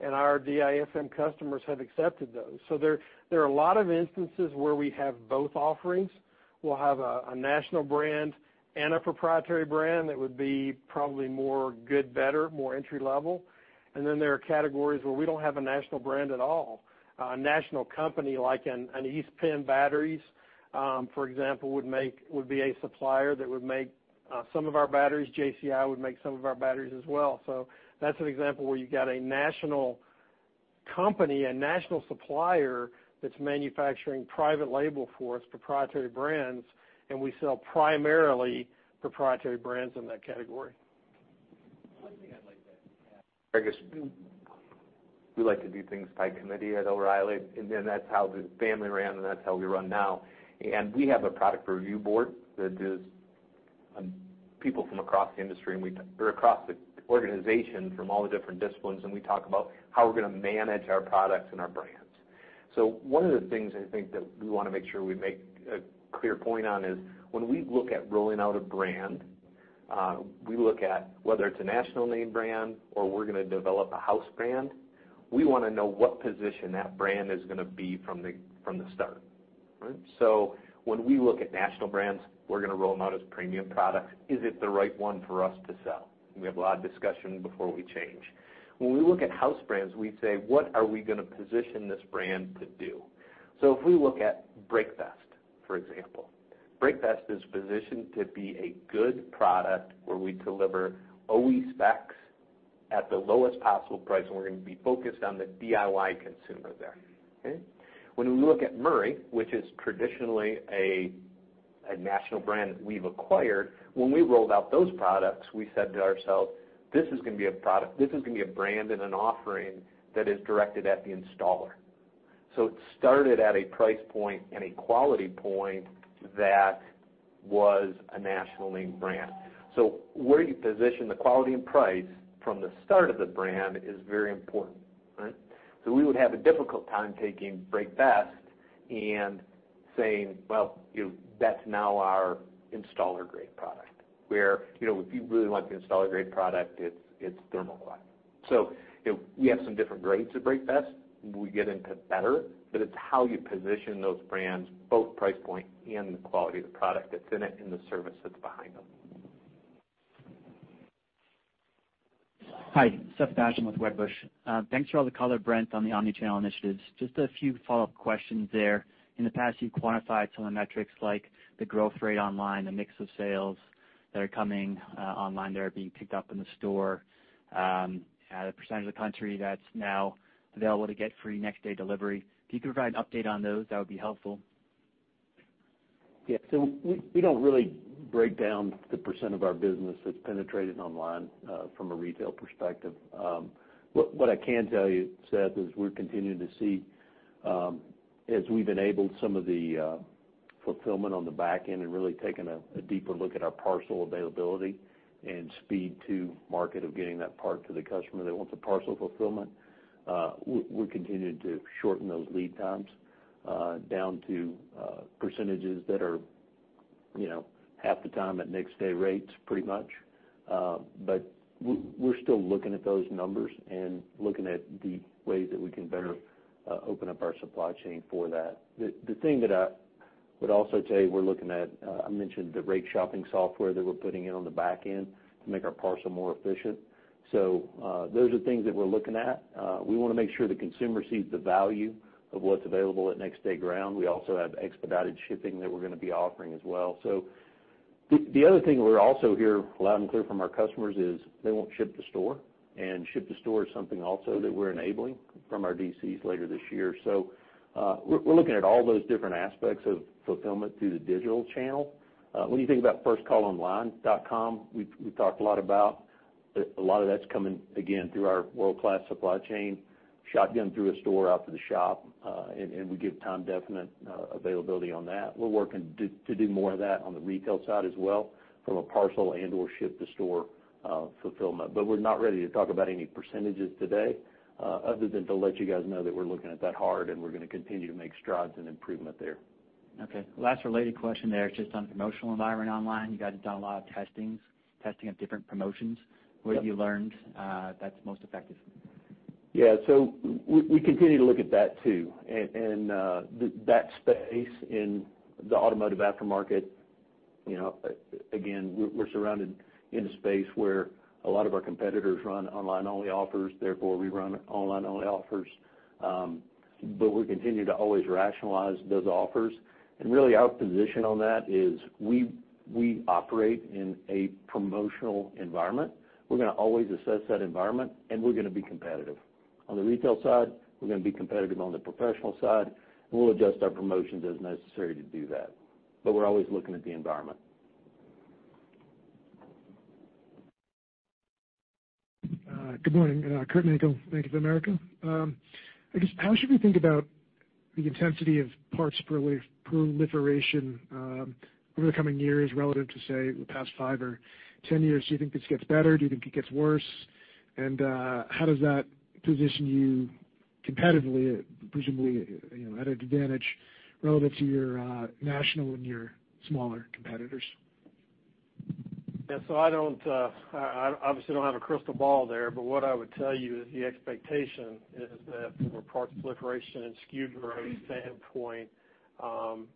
and our DIFM customers have accepted those. There, there are a lot of instances where we have both offerings. We'll have a national brand and a proprietary brand that would be probably more good, better, more entry level. Then there are categories where we don't have a national brand at all. A national company like an East Penn Manufacturing, for example, would be a supplier that would make some of our batteries. JCI would make some of our batteries as well. That's an example where you've got a national company, a national supplier that's manufacturing private label for us, proprietary brands, and we sell primarily proprietary brands in that category. One thing I'd like to add, I guess we like to do things by committee at O'Reilly, and then that's how the family ran and that's how we run now. We have a product review board that is people from across the industry, or across the organization from all the different disciplines, and we talk about how we're gonna manage our products and our brands. One of the things I think that we wanna make sure we make a clear point on is when we look at rolling out a brand, we look at whether it's a national name brand or we're gonna develop a house brand. We wanna know what position that brand is gonna be from the start, right? When we look at national brands, we're gonna roll 'em out as premium products. Is it the right one for us to sell? We have a lot of discussion before we change. When we look at house brands, we say, "What are we gonna position this brand to do?" If we look at BrakeBest, for example, BrakeBest is positioned to be a good product where we deliver OE specs at the lowest possible price, and we're gonna be focused on the DIY consumer there, okay? When we look at Murray, which is traditionally a national brand we've acquired, when we rolled out those products, we said to ourselves, "This is gonna be a brand and an offering that is directed at the installer." It started at a price point and a quality point that was a national name brand. Where do you position the quality and price from the start of the brand is very important, right? We would have a difficult time taking BrakeBest and saying, "Well, you know, that's now our installer-grade product." Where, you know, if you really want the installer-grade product, it's ThermoQuiet. You know, we have some different grades at BrakeBest. We get into better. It's how you position those brands, both price point and the quality of the product that's in it and the service that's behind them. Hi, Seth Basham with Wedbush. Thanks for all the color, Brent, on the omni-channel initiatives. Just a few follow-up questions there. In the past, you've quantified some of the metrics like the growth rate online, the mix of sales that are coming online that are being picked up in the store, the percentage of the country that's now available to get free next-day delivery. If you could provide an update on those, that would be helpful. Yeah. We don't really break down the percent of our business that's penetrated online from a retail perspective. What I can tell you, Seth, is we're continuing to see, as we've enabled some of the fulfillment on the back end and really taken a deeper look at our parcel availability and speed to market of getting that part to the customer that wants a parcel fulfillment, we're continuing to shorten those lead times down to percentages that are, you know, half the time at next-day rates, pretty much. We're still looking at those numbers and looking at the ways that we can better open up our supply chain for that. The thing that I would also tell you we're looking at, I mentioned the rate shopping software that we're putting in on the back end to make our parcel more efficient. Those are things that we're looking at. We wanna make sure the consumer sees the value of what's available at Next Day Ground. We also have expedited shipping that we're gonna be offering as well. The other thing we're also hear loud and clear from our customers is they won't ship to store, and ship to store is something also that we're enabling from our DCs later this year. We're looking at all those different aspects of fulfillment through the digital channel. When you think about firstcallonline.com, we've talked a lot about, a lot of that's coming again through our world-class supply chain, shotgun through a store out to the shop, and we give time definite availability on that. We're working to do more of that on the retail side as well from a parcel and/or ship to store fulfillment. We're not ready to talk about any percentages today, other than to let you guys know that we're looking at that hard, and we're gonna continue to make strides and improvement there. Okay. Last related question there is just on promotional environment online. You guys have done a lot of testings, testing of different promotions. Yep. What have you learned, that's most effective? We continue to look at that too. That space in the automotive aftermarket, you know, again, we're surrounded in a space where a lot of our competitors run online-only offers, therefore we run online-only offers. We continue to always rationalize those offers. Really our position on that is we operate in a promotional environment. We're gonna always assess that environment, and we're gonna be competitive. On the retail side, we're gonna be competitive on the professional side, and we'll adjust our promotions as necessary to do that. We're always looking at the environment. Good morning, Curtis Nagle, Bank of America. I guess how should we think about the intensity of parts proliferation over the coming years relative to, say, the past five or 10 years? Do you think this gets better? Do you think it gets worse? How does that position you competitively, presumably, you know, at an advantage relative to your national and your smaller competitors? Yeah. I obviously don't have a crystal ball there, but what I would tell you is the expectation is that from a parts proliferation and SKU growth standpoint,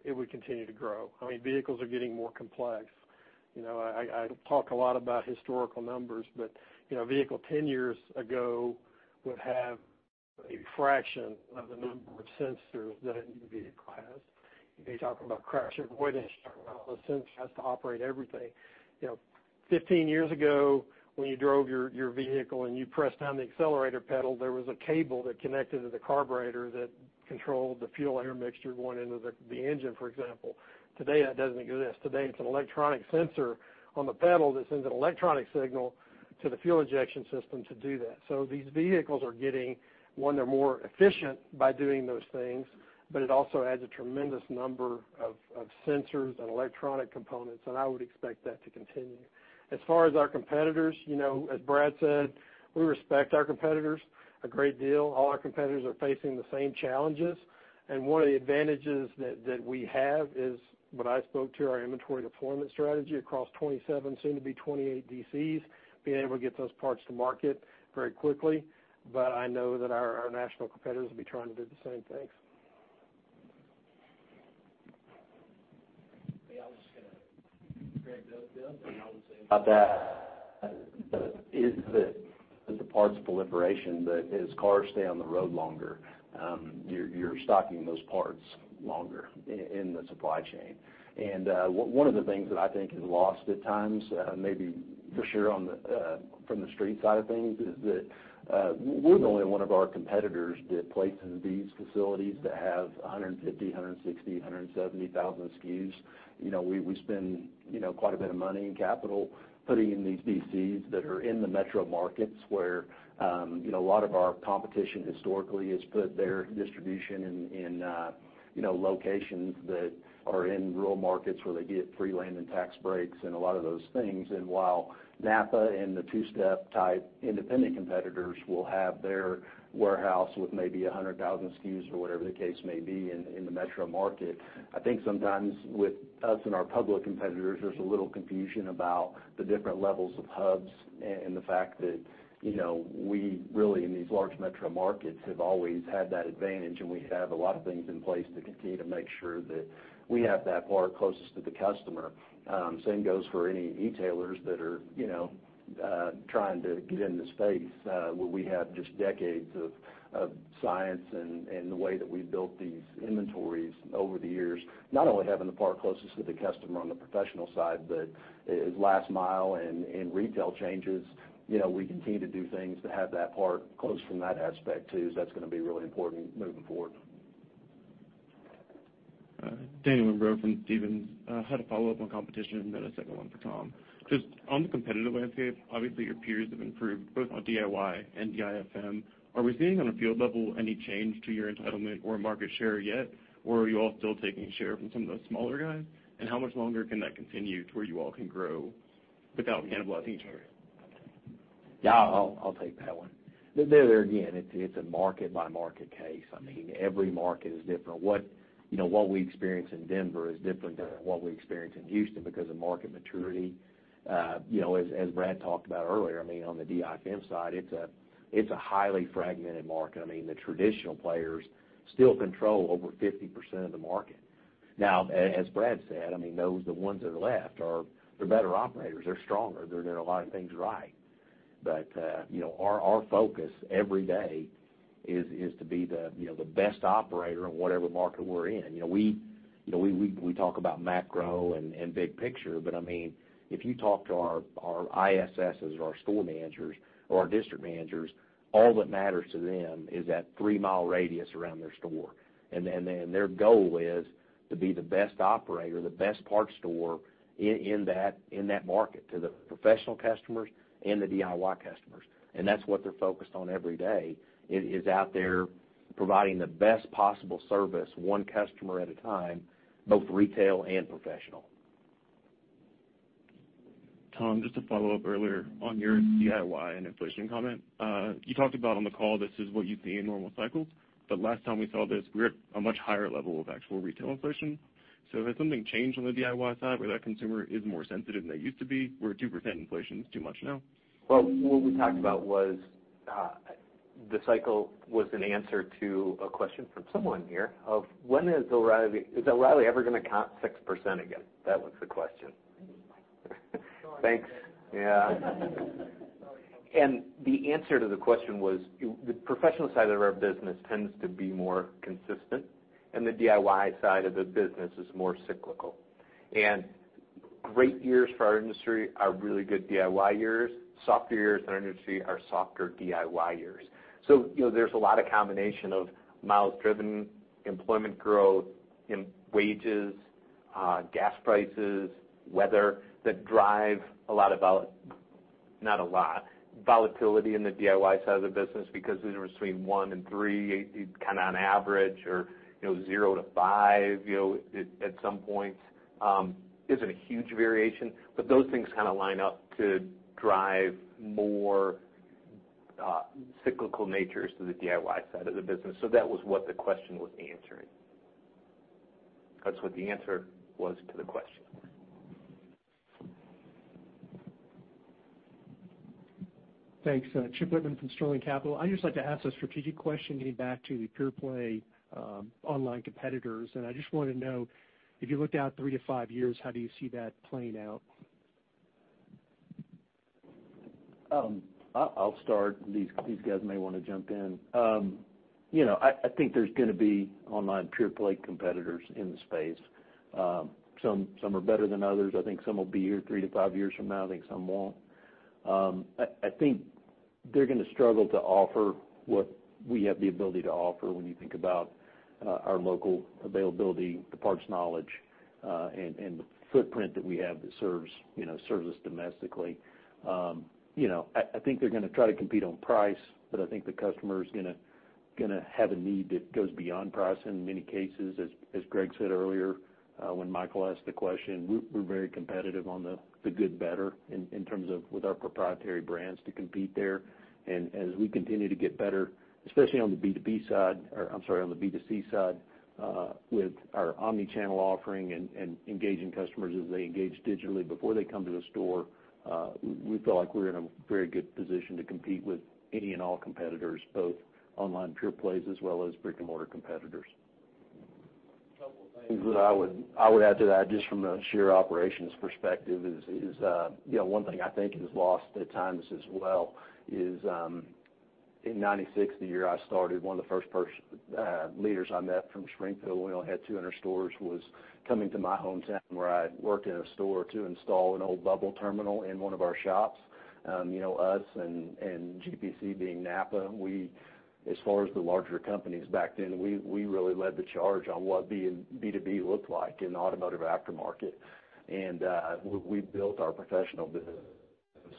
it would continue to grow. I mean, vehicles are getting more complex. You know, I talk a lot about historical numbers, but, you know, a vehicle 10 years ago would have a fraction of the number of sensors that a new vehicle has. You could be talking about crash avoidance. You're talking about all the sensors has to operate everything. You know, 15 years ago, when you drove your vehicle and you pressed down the accelerator pedal, there was a cable that connected to the carburetor that controlled the fuel-air mixture going into the engine, for example. Today, that doesn't exist. Today, it's an electronic sensor on the pedal that sends an electronic signal to the fuel injection system to do that. These vehicles are getting, 1, they're more efficient by doing those things. It also adds a tremendous number of sensors and electronic components, and I would expect that to continue. As far as our competitors, you know, as Brad said, we respect our competitors a great deal. All our competitors are facing the same challenges. One of the advantages that we have is what I spoke to, our inventory deployment strategy across 27, soon to be 28 DCs, being able to get those parts to market very quickly. I know that our national competitors will be trying to do the same things. Yeah, I'm just gonna grab those, Greg, and I would say about that, is that as the parts proliferation, that as cars stay on the road longer, you're stocking those parts longer in the supply chain. One of the things that I think is lost at times, maybe for sure on the from the street side of things, is that we're the only one of our competitors that place in these facilities that have 150, 160, 170,000 SKUs. You know, we spend, you know, quite a bit of money and capital putting in these DCs that are in the metro markets, where, you know, a lot of our competition historically has put their distribution in locations that are in rural markets where they get free land and tax breaks and a lot of those things. While NAPA and the two-step independent competitors will have their warehouse with maybe 100,000 SKUs or whatever the case may be in the metro market, I think sometimes with us and our public competitors, there's a little confusion about the different levels of hubs and the fact that, you know, we really in these large metro markets have always had that advantage, and we have a lot of things in place to continue to make sure that we have that part closest to the customer. Same goes for any e-tailers that are, you know, trying to get in the space, where we have just decades of science and the way that we've built these inventories over the years, not only having the part closest to the customer on the professional side, but as last mile and retail changes, you know, we continue to do things to have that part close from that aspect too, so that's gonna be really important moving forward. All right. Daniel Imbro from Stephens. I had a follow-up on competition, then a second one for Tom. Just on the competitive landscape, obviously, your peers have improved both on DIY and DIFM. Are we seeing on a field level any change to your entitlement or market share yet? Or are you all still taking share from some of those smaller guys? How much longer can that continue to where you all can grow without cannibalizing each other? Yeah, I'll take that one. There again, it's a market-by-market case. I mean, every market is different. You know, what we experience in Denver is different than what we experience in Houston because of market maturity. You know, as Brad talked about earlier, I mean, on the DIFM side, it's a highly fragmented market. I mean, the traditional players still control over 50% of the market. Now, as Brad said, I mean, those, the ones that are left, they're better operators. They're stronger. They're doing a lot of things right. You know, our focus every day is to be the, you know, best operator in whatever market we're in. You know, we talk about macro and big picture, but I mean, if you talk to our ISSes or our store managers or our district managers, all that matters to them is that three-mile radius around their store. Then their goal is to be the best operator, the best parts store in that market to the professional customers and the DIY customers. That's what they're focused on every day is out there providing the best possible service one customer at a time, both retail and professional. Tom, just to follow up earlier on your DIY and inflation comment. You talked about on the call, this is what you see in normal cycles. Last time we saw this, we were at a much higher level of actual retail inflation. Has something changed on the DIY side where that consumer is more sensitive than they used to be, where a 2% inflation is too much now? Well, what we talked about was, the cycle was an answer to a question from someone here of when is O'Reilly, is O'Reilly ever gonna count 6% again? That was the question. Thanks. Yeah. The answer to the question was, the professional side of our business tends to be more consistent, and the DIY side of the business is more cyclical. Great years for our industry are really good DIY years. Softer years in our industry are softer DIY years. You know, there's a lot of combination of miles driven, employment growth, in wages, gas prices, weather that drive a lot of volatility in the DIY side of the business because between one and three, kind of on average or, you know, zero to five, you know, at some point, isn't a huge variation. Those things kind of line up to drive more cyclical natures to the DIY side of the business. That was what the question was answering. That's what the answer was to the question. Thanks. Charles Wittmann from Sterling Capital. I'd just like to ask a strategic question, getting back to the pure play online competitors. I just want to know, if you looked out three to five years, how do you see that playing out? I'll start. These guys may wanna jump in. You know, I think there's gonna be online pure play competitors in the space. Some are better than others. I think some will be here three to five years from now, I think some won't. I think they're gonna struggle to offer what we have the ability to offer when you think about our local availability, the parts knowledge, and the footprint that we have that serves, you know, serves us domestically. You know, I think they're gonna try to compete on price, but I think the customer's gonna have a need that goes beyond price in many cases. As Greg said earlier, when Michael asked the question, we're very competitive on the good better in terms of with our proprietary brands to compete there. As we continue to get better, especially on the B2B side, or I'm sorry, on the B2C side, with our omni-channel offering and engaging customers as they engage digitally before they come to the store, we feel like we're in a very good position to compete with any and all competitors, both online pure plays as well as brick-and-mortar competitors. A couple of things that I would add to that just from a sheer operations perspective is, you know, one thing I think is lost at times as well is, in 96, the year I started, one of the first leaders I met from Springfield O'Reilly had 200 stores, was coming to my hometown where I worked in a store to install an old bubble terminal in one of our shops. You know, us and GPC being NAPA, we, as far as the larger companies back then, we really led the charge on what B2B looked like in the automotive aftermarket. We built our professional business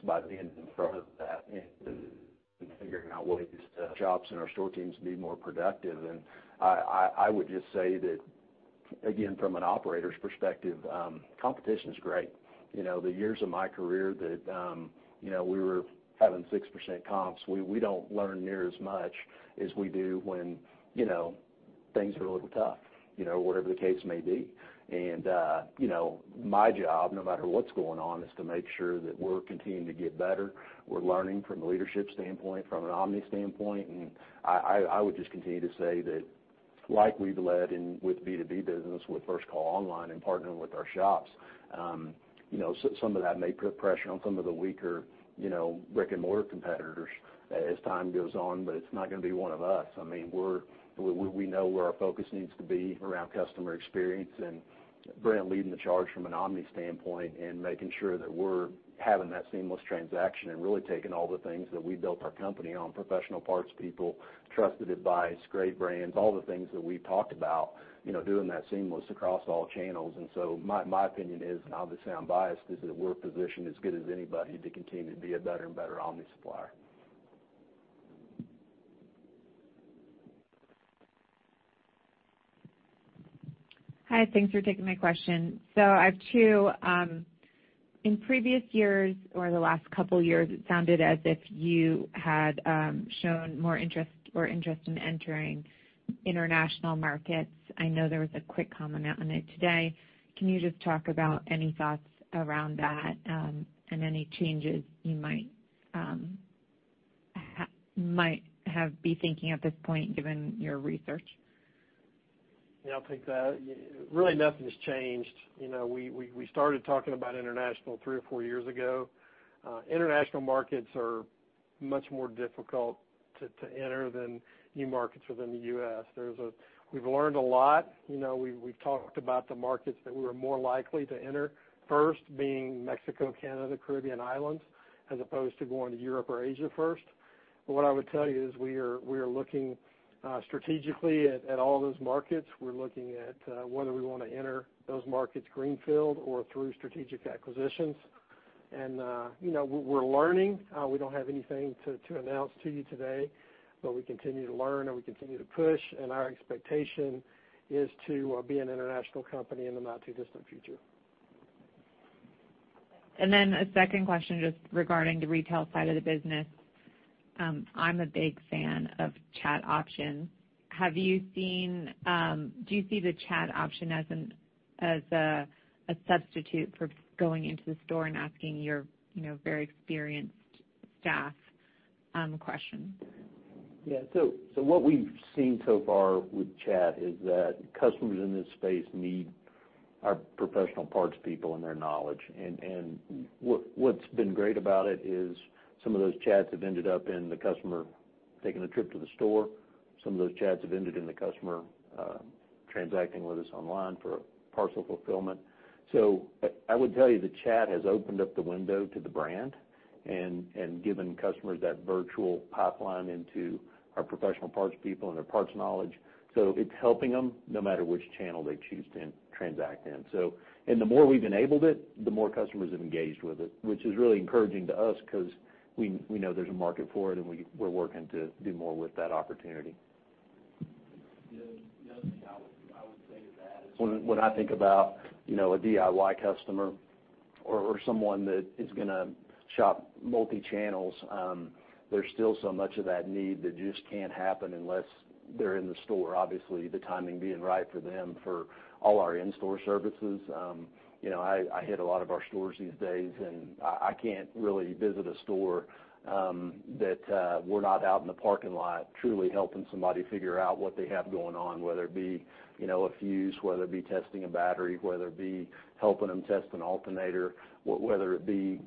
by being in front of that and figuring out ways to help shops and our store teams be more productive. I would just say that, again, from an operator's perspective, competition's great. You know, the years of my career that, you know, we were having 6% comps, we don't learn near as much as we do when, you know, things are a little tough, you know, whatever the case may be. You know, my job, no matter what's going on, is to make sure that we're continuing to get better. We're learning from a leadership standpoint, from an Omni standpoint. I would just continue to say that like we've led in with B2B business with First Call Online and partnering with our shops, you know, some of that may put pressure on some of the weaker, you know, brick-and-mortar competitors as time goes on, but it's not gonna be one of us. I mean, we know where our focus needs to be around customer experience and Brent leading the charge from an omni standpoint and making sure that we're having that seamless transaction and really taking all the things that we built our company on, professional parts people, trusted advice, great brands, all the things that we've talked about, you know, doing that seamless across all channels. My opinion is, and obviously I'm biased, is that we're positioned as good as anybody to continue to be a better and better omni supplier. Hi, thanks for taking my question. I have two. In previous years or the last couple years, it sounded as if you had shown more interest or interest in entering international markets. I know there was a quick comment on it today. Can you just talk about any thoughts around that, and any changes you might might have be thinking at this point given your research? Yeah, I'll take that. Really nothing's changed. You know, we started talking about international three or four years ago. International markets are much more difficult to enter than new markets within the U.S. We've learned a lot. You know, we've talked about the markets that we're more likely to enter first being Mexico, Canada, Caribbean Islands, as opposed to going to Europe or Asia first. What I would tell you is we are looking strategically at all those markets. We're looking at whether we wanna enter those markets greenfield or through strategic acquisitions. You know, we're learning. We don't have anything to announce to you today, but we continue to learn, and we continue to push, and our expectation is to be an international company in the not too distant future. A second question just regarding the retail side of the business. I'm a big fan of chat option. Do you see the chat option as a substitute for going into the store and asking your, you know, very experienced staff a question? What we've seen so far with chat is that customers in this space need our professional parts people and their knowledge. What's been great about it is some of those chats have ended up in the customer taking a trip to the store. Some of those chats have ended in the customer transacting with us online for parcel fulfillment. I would tell you the chat has opened up the window to the brand and given customers that virtual pipeline into our professional parts people and their parts knowledge. It's helping them no matter which channel they choose to transact in. The more we've enabled it, the more customers have engaged with it, which is really encouraging to us because we know there's a market for it, and we're working to do more with that opportunity. The other thing I would say to that is when I think about, you know, a DIY customer or someone that is gonna shop multi-channels, there's still so much of that need that just can't happen unless they're in the store, obviously, the timing being right for them for all our in-store services. You know, I hit a lot of our stores these days, and I can't really visit a store that we're not out in the parking lot truly helping somebody figure out what they have going on, whether it be, you know, a fuse, whether it be testing a battery, whether it be helping them test an alternator, whether it be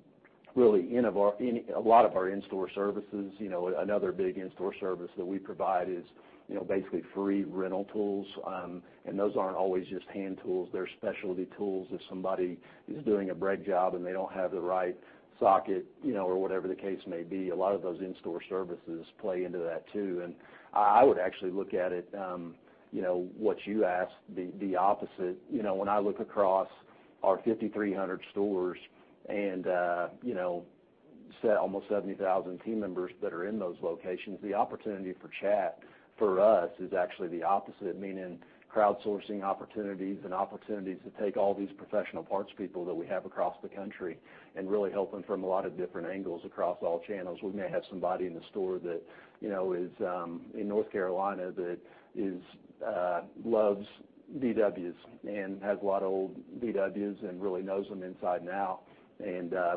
really in a lot of our in-store services. You know, another big in-store service that we provide is, you know, basically free rental tools. Those aren't always just hand tools. They're specialty tools. If somebody is doing a brake job and they don't have the right socket, you know, or whatever the case may be, a lot of those in-store services play into that too. I would actually look at it, you know, what you asked the opposite. You know, when I look across our 5,300 stores and, you know, almost 70,000 team members that are in those locations, the opportunity for chat for us is actually the opposite, meaning crowdsourcing opportunities and opportunities to take all these professional parts people that we have across the country and really help them from a lot of different angles across all channels. We may have somebody in the store that, you know, is in North Carolina that is loves VWs and has a lot of old VWs and really knows them inside and out.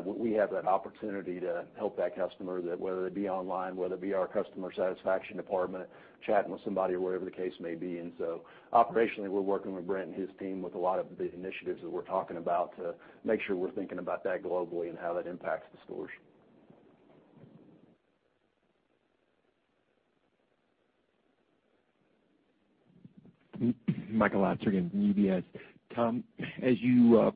We have that opportunity to help that customer that whether it be online, whether it be our customer satisfaction department, chatting with somebody or whatever the case may be. Operationally, we're working with Brent and his team with a lot of the initiatives that we're talking about to make sure we're thinking about that globally and how that impacts the stores. Michael Lasser again from UBS. Tom, as you,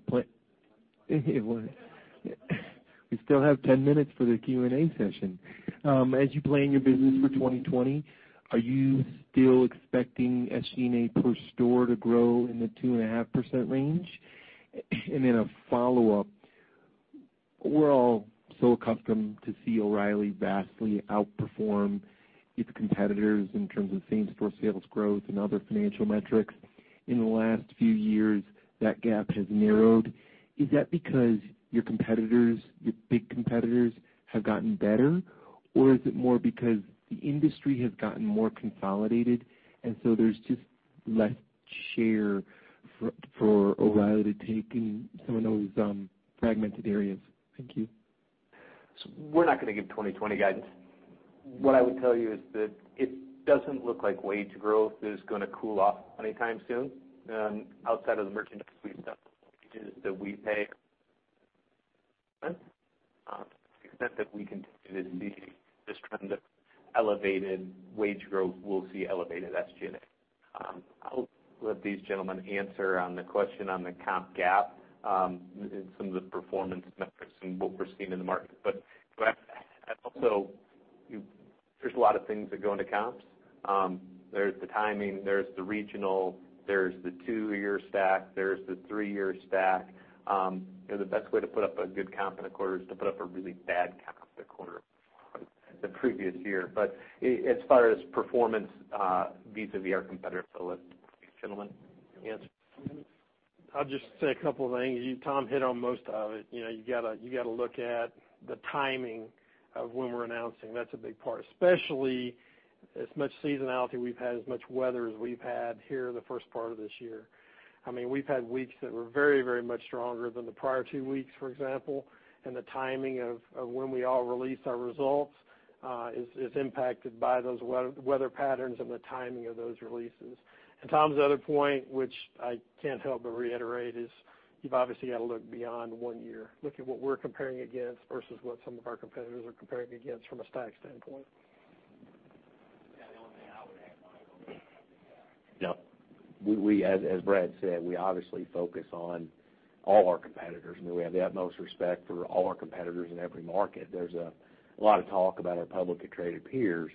We still have 10 minutes for the Q&A session. As you plan your business for 2020, are you still expecting SG&A per store to grow in the 2.5% range? A follow-up. We're all so accustomed to see O'Reilly vastly outperform its competitors in terms of same-store sales growth and other financial metrics. In the last few years, that gap has narrowed. Is that because your competitors, your big competitors have gotten better? Is it more because the industry has gotten more consolidated, and so there's just less share for O'Reilly to take in some of those fragmented areas? Thank you. We're not gonna give 2020 guidance. What I would tell you is that it doesn't look like wage growth is gonna cool off anytime soon, outside of the merchandise that we pay. To the extent that we continue to see this trend of elevated wage growth, we'll see elevated SG&A. I'll let these gentlemen answer on the question on the comp gap, in some of the performance metrics and what we're seeing in the market. I also there's a lot of things that go into comps. There's the timing, there's the regional, there's the two-year stack, there's the three-year stack. You know, the best way to put up a good comp in a quarter is to put up a really bad comp the quarter, the previous year. As far as performance, vis-a-vis our competitor, I'll let these gentlemen answer. I'll just say a couple of things. You, Tom hit on most of it. You know, you gotta look at the timing of when we're announcing. That's a big part, especially as much seasonality we've had, as much weather as we've had here the first part of this year. I mean, we've had weeks that were very, very much stronger than the prior two weeks, for example. The timing of when we all release our results is impacted by those weather patterns and the timing of those releases. Tom's other point, which I can't help but reiterate, is you've obviously got to look beyond one year. Look at what we're comparing against versus what some of our competitors are comparing against from a stack standpoint. Yeah, the only thing I would add, Michael. Yeah. We, as Brad said, we obviously focus on all our competitors, and we have the utmost respect for all our competitors in every market. There's a lot of talk about our publicly traded peers,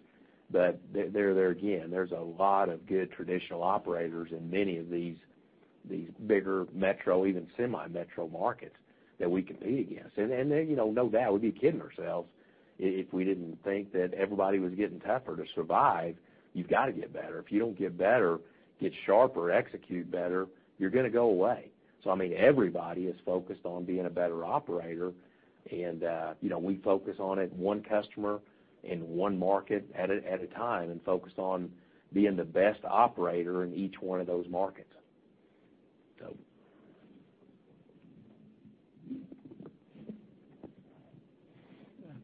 but they're, again, there's a lot of good traditional operators in many of these bigger metro, even semi-metro markets that we compete against. And, you know, no doubt, we'd be kidding ourselves if we didn't think that everybody was getting tougher. To survive, you've got to get better. If you don't get better, get sharper, execute better, you're gonna go away. I mean, everybody is focused on being a better operator, and, you know, we focus on it one customer in one market at a time and focused on being the best operator in each one of those markets.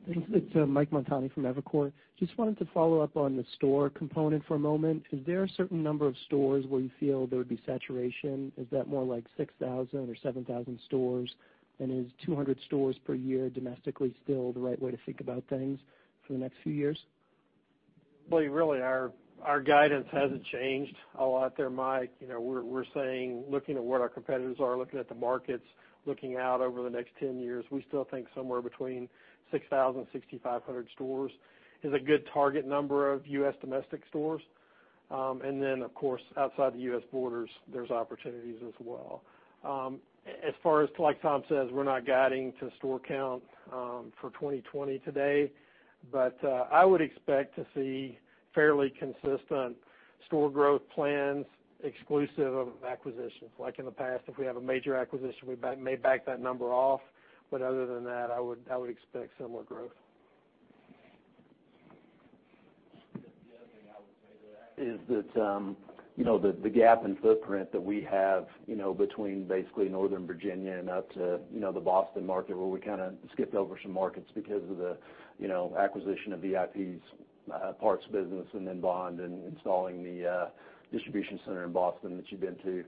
Thanks. It's Mike Montani from Evercore. Just wanted to follow up on the store component for a moment. Is there a certain number of stores where you feel there would be saturation? Is that more like 6,000 or 7,000 stores? Is 200 stores per year domestically still the right way to think about things for the next few years? Well, really, our guidance hasn't changed a lot there, Mike. You know, we're saying, looking at what our competitors are, looking at the markets, looking out over the next 10 years, we still think somewhere between 6,000, 6,500 stores is a good target number of U.S. domestic stores. Then, of course, outside the U.S. borders, there's opportunities as well. As far as like Tom says, we're not guiding to store count for 2020 today, but I would expect to see fairly consistent store growth plans exclusive of acquisitions. Like in the past, if we have a major acquisition, we may back that number off. Other than that, I would expect similar growth. The other thing I would say to that is that, you know, the gap in footprint that we have, you know, between basically Northern Virginia and up to, you know, the Boston market, where we kinda skipped over some markets because of the, you know, acquisition of VIP's parts business and then Bond and installing the distribution center in Boston that you've been to.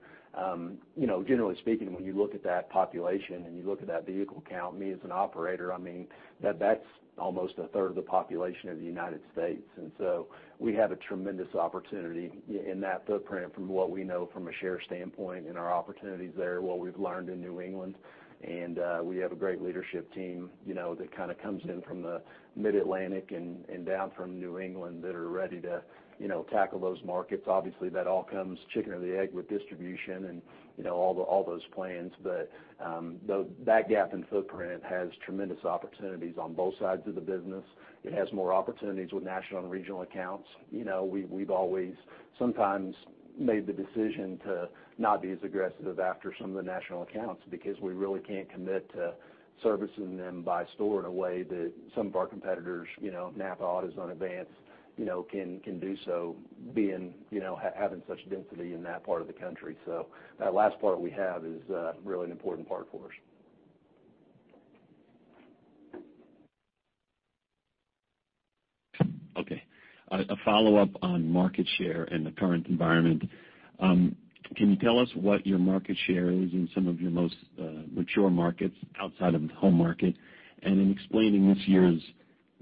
You know, generally speaking, when you look at that population and you look at that vehicle count, me as an operator, I mean, that's almost a third of the population of the United States. We have a tremendous opportunity in that footprint from what we know from a share standpoint and our opportunities there, what we've learned in New England. We have a great leadership team, you know, that kinda comes in from the Mid-Atlantic and down from New England that are ready to, you know, tackle those markets. Obviously, that all comes chicken or the egg with distribution and, you know, all those plans. That gap in footprint has tremendous opportunities on both sides of the business. It has more opportunities with national and regional accounts. You know, we've always sometimes made the decision to not be as aggressive after some of the national accounts because we really can't commit to servicing them by store in a way that some of our competitors, you know, NAPA Auto Parts, AutoZone, Advance Auto Parts, you know, can do so being, you know, having such density in that part of the country. That last part we have is really an important part for us. Okay. A follow-up on market share in the current environment. Can you tell us what your market share is in some of your most mature markets outside of the home market? In explaining this year's,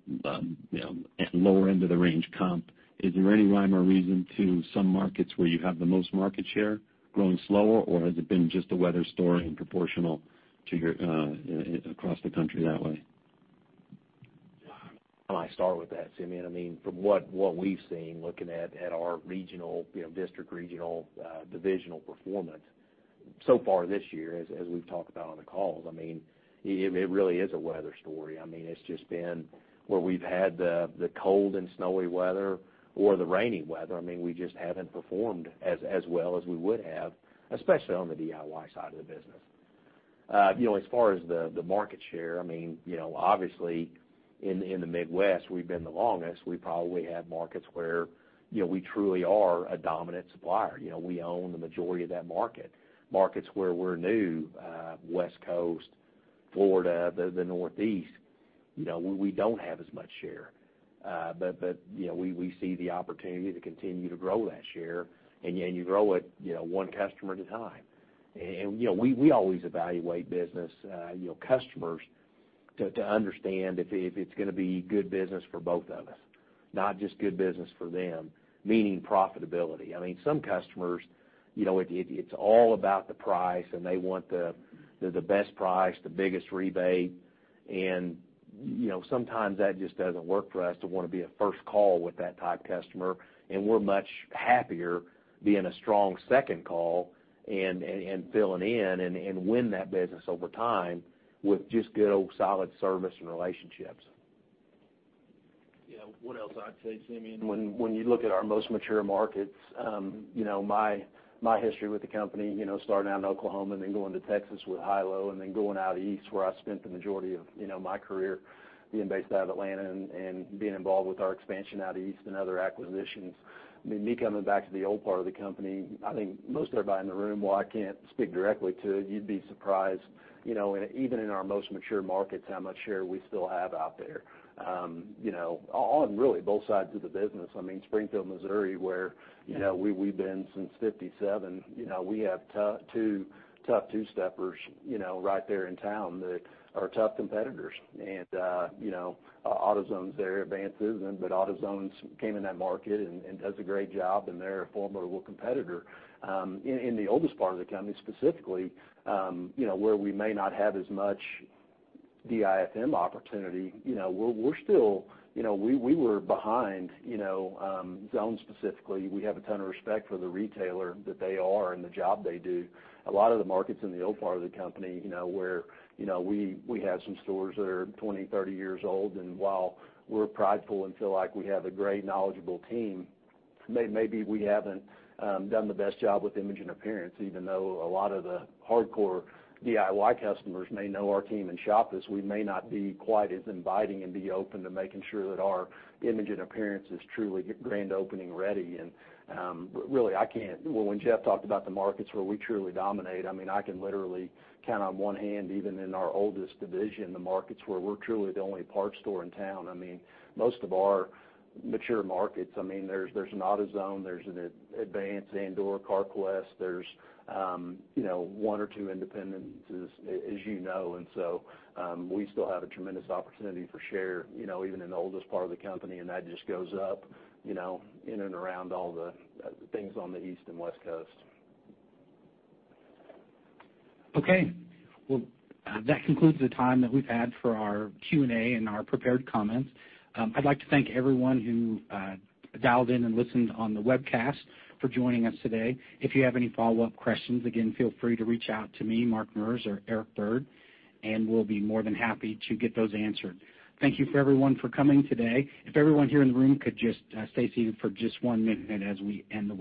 you know, lower end of the range comp, is there any rhyme or reason to some markets where you have the most market share growing slower, or has it been just a weather story and proportional to your across the country that way? I start with that, Simeon. From what we've seen looking at our regional, you know, district regional, divisional performance so far this year, as we've talked about on the calls, it really is a weather story. It's just been where we've had the cold and snowy weather or the rainy weather, we just haven't performed as well as we would have, especially on the DIY side of the business. You know, as far as the market share, you know, obviously, in the Midwest, we've been the longest. We probably have markets where, you know, we truly are a dominant supplier. You know, we own the majority of that market. Markets where we're new, West Coast, Florida, the Northeast, you know, we don't have as much share. You know, we see the opportunity to continue to grow that share, and yet you grow it, you know, one customer at a time. You know, we always evaluate business, you know, customers to understand if it's gonna be good business for both of us, not just good business for them, meaning profitability. I mean, some customers, you know, it's all about the price, and they want the best price, the biggest rebate. You know, sometimes that just doesn't work for us to wanna be a first call with that type customer, and we're much happier being a strong second call and filling in and win that business over time with just good old solid service and relationships. Yeah. What else I'd say, Simeon, when you look at our most mature markets, you know, my history with the company, you know, starting out in Oklahoma and then going to Texas with Hi-Lo and then going out east where I spent the majority of, you know, my career being based out of Atlanta and being involved with our expansion out east and other acquisitions. I mean, me coming back to the old part of the company, I think most everybody in the room, while I can't speak directly to, you'd be surprised, you know, even in our most mature markets, how much share we still have out there, you know, on really both sides of the business. I mean, Springfield, Missouri, where, you know, we've been since 57, you know, we have tough two-steppers, you know, right there in town that are tough competitors. You know, AutoZone is their, Advance isn't and but AutoZone came in that market and does a great job, and they're a formidable competitor. In the oldest part of the company, specifically, you know, where we may not have as much DIFM opportunity, you know, we're still, you know, we were behind, you know, Zone specifically. We have a ton of respect for the retailer that they are and the job they do. A lot of the markets in the old part of the company, you know, where, you know, we have some stores that are 20, 30 years old. While we're prideful and feel like we have a great knowledgeable team, maybe we haven't done the best job with image and appearance, even though a lot of the hardcore DIY customers may know our team and shop us, we may not be quite as inviting and be open to making sure that our image and appearance is truly grand opening ready. Really, I can't, when Jeff talked about the markets where we truly dominate, I mean, I can literally count on one hand, even in our oldest division, the markets where we're truly the only parts store in town. I mean, most of our mature markets, I mean, there's an AutoZone, there's an Advance, and/or, Carquest. There's, you know, one or two independents, as you know. We still have a tremendous opportunity for share, you know, even in the oldest part of the company, and that just goes up, you know, in and around all the things on the East and West Coast. Okay. Well, that concludes the time that we've had for our Q&A and our prepared comments. I'd like to thank everyone who dialed in and listened on the webcast for joining us today. If you have any follow-up questions, again, feel free to reach out to me, Mark Merz, or Eric Bird, and we'll be more than happy to get those answered. Thank you for everyone for coming today. If everyone here in the room could just stay seated for just 1 minute.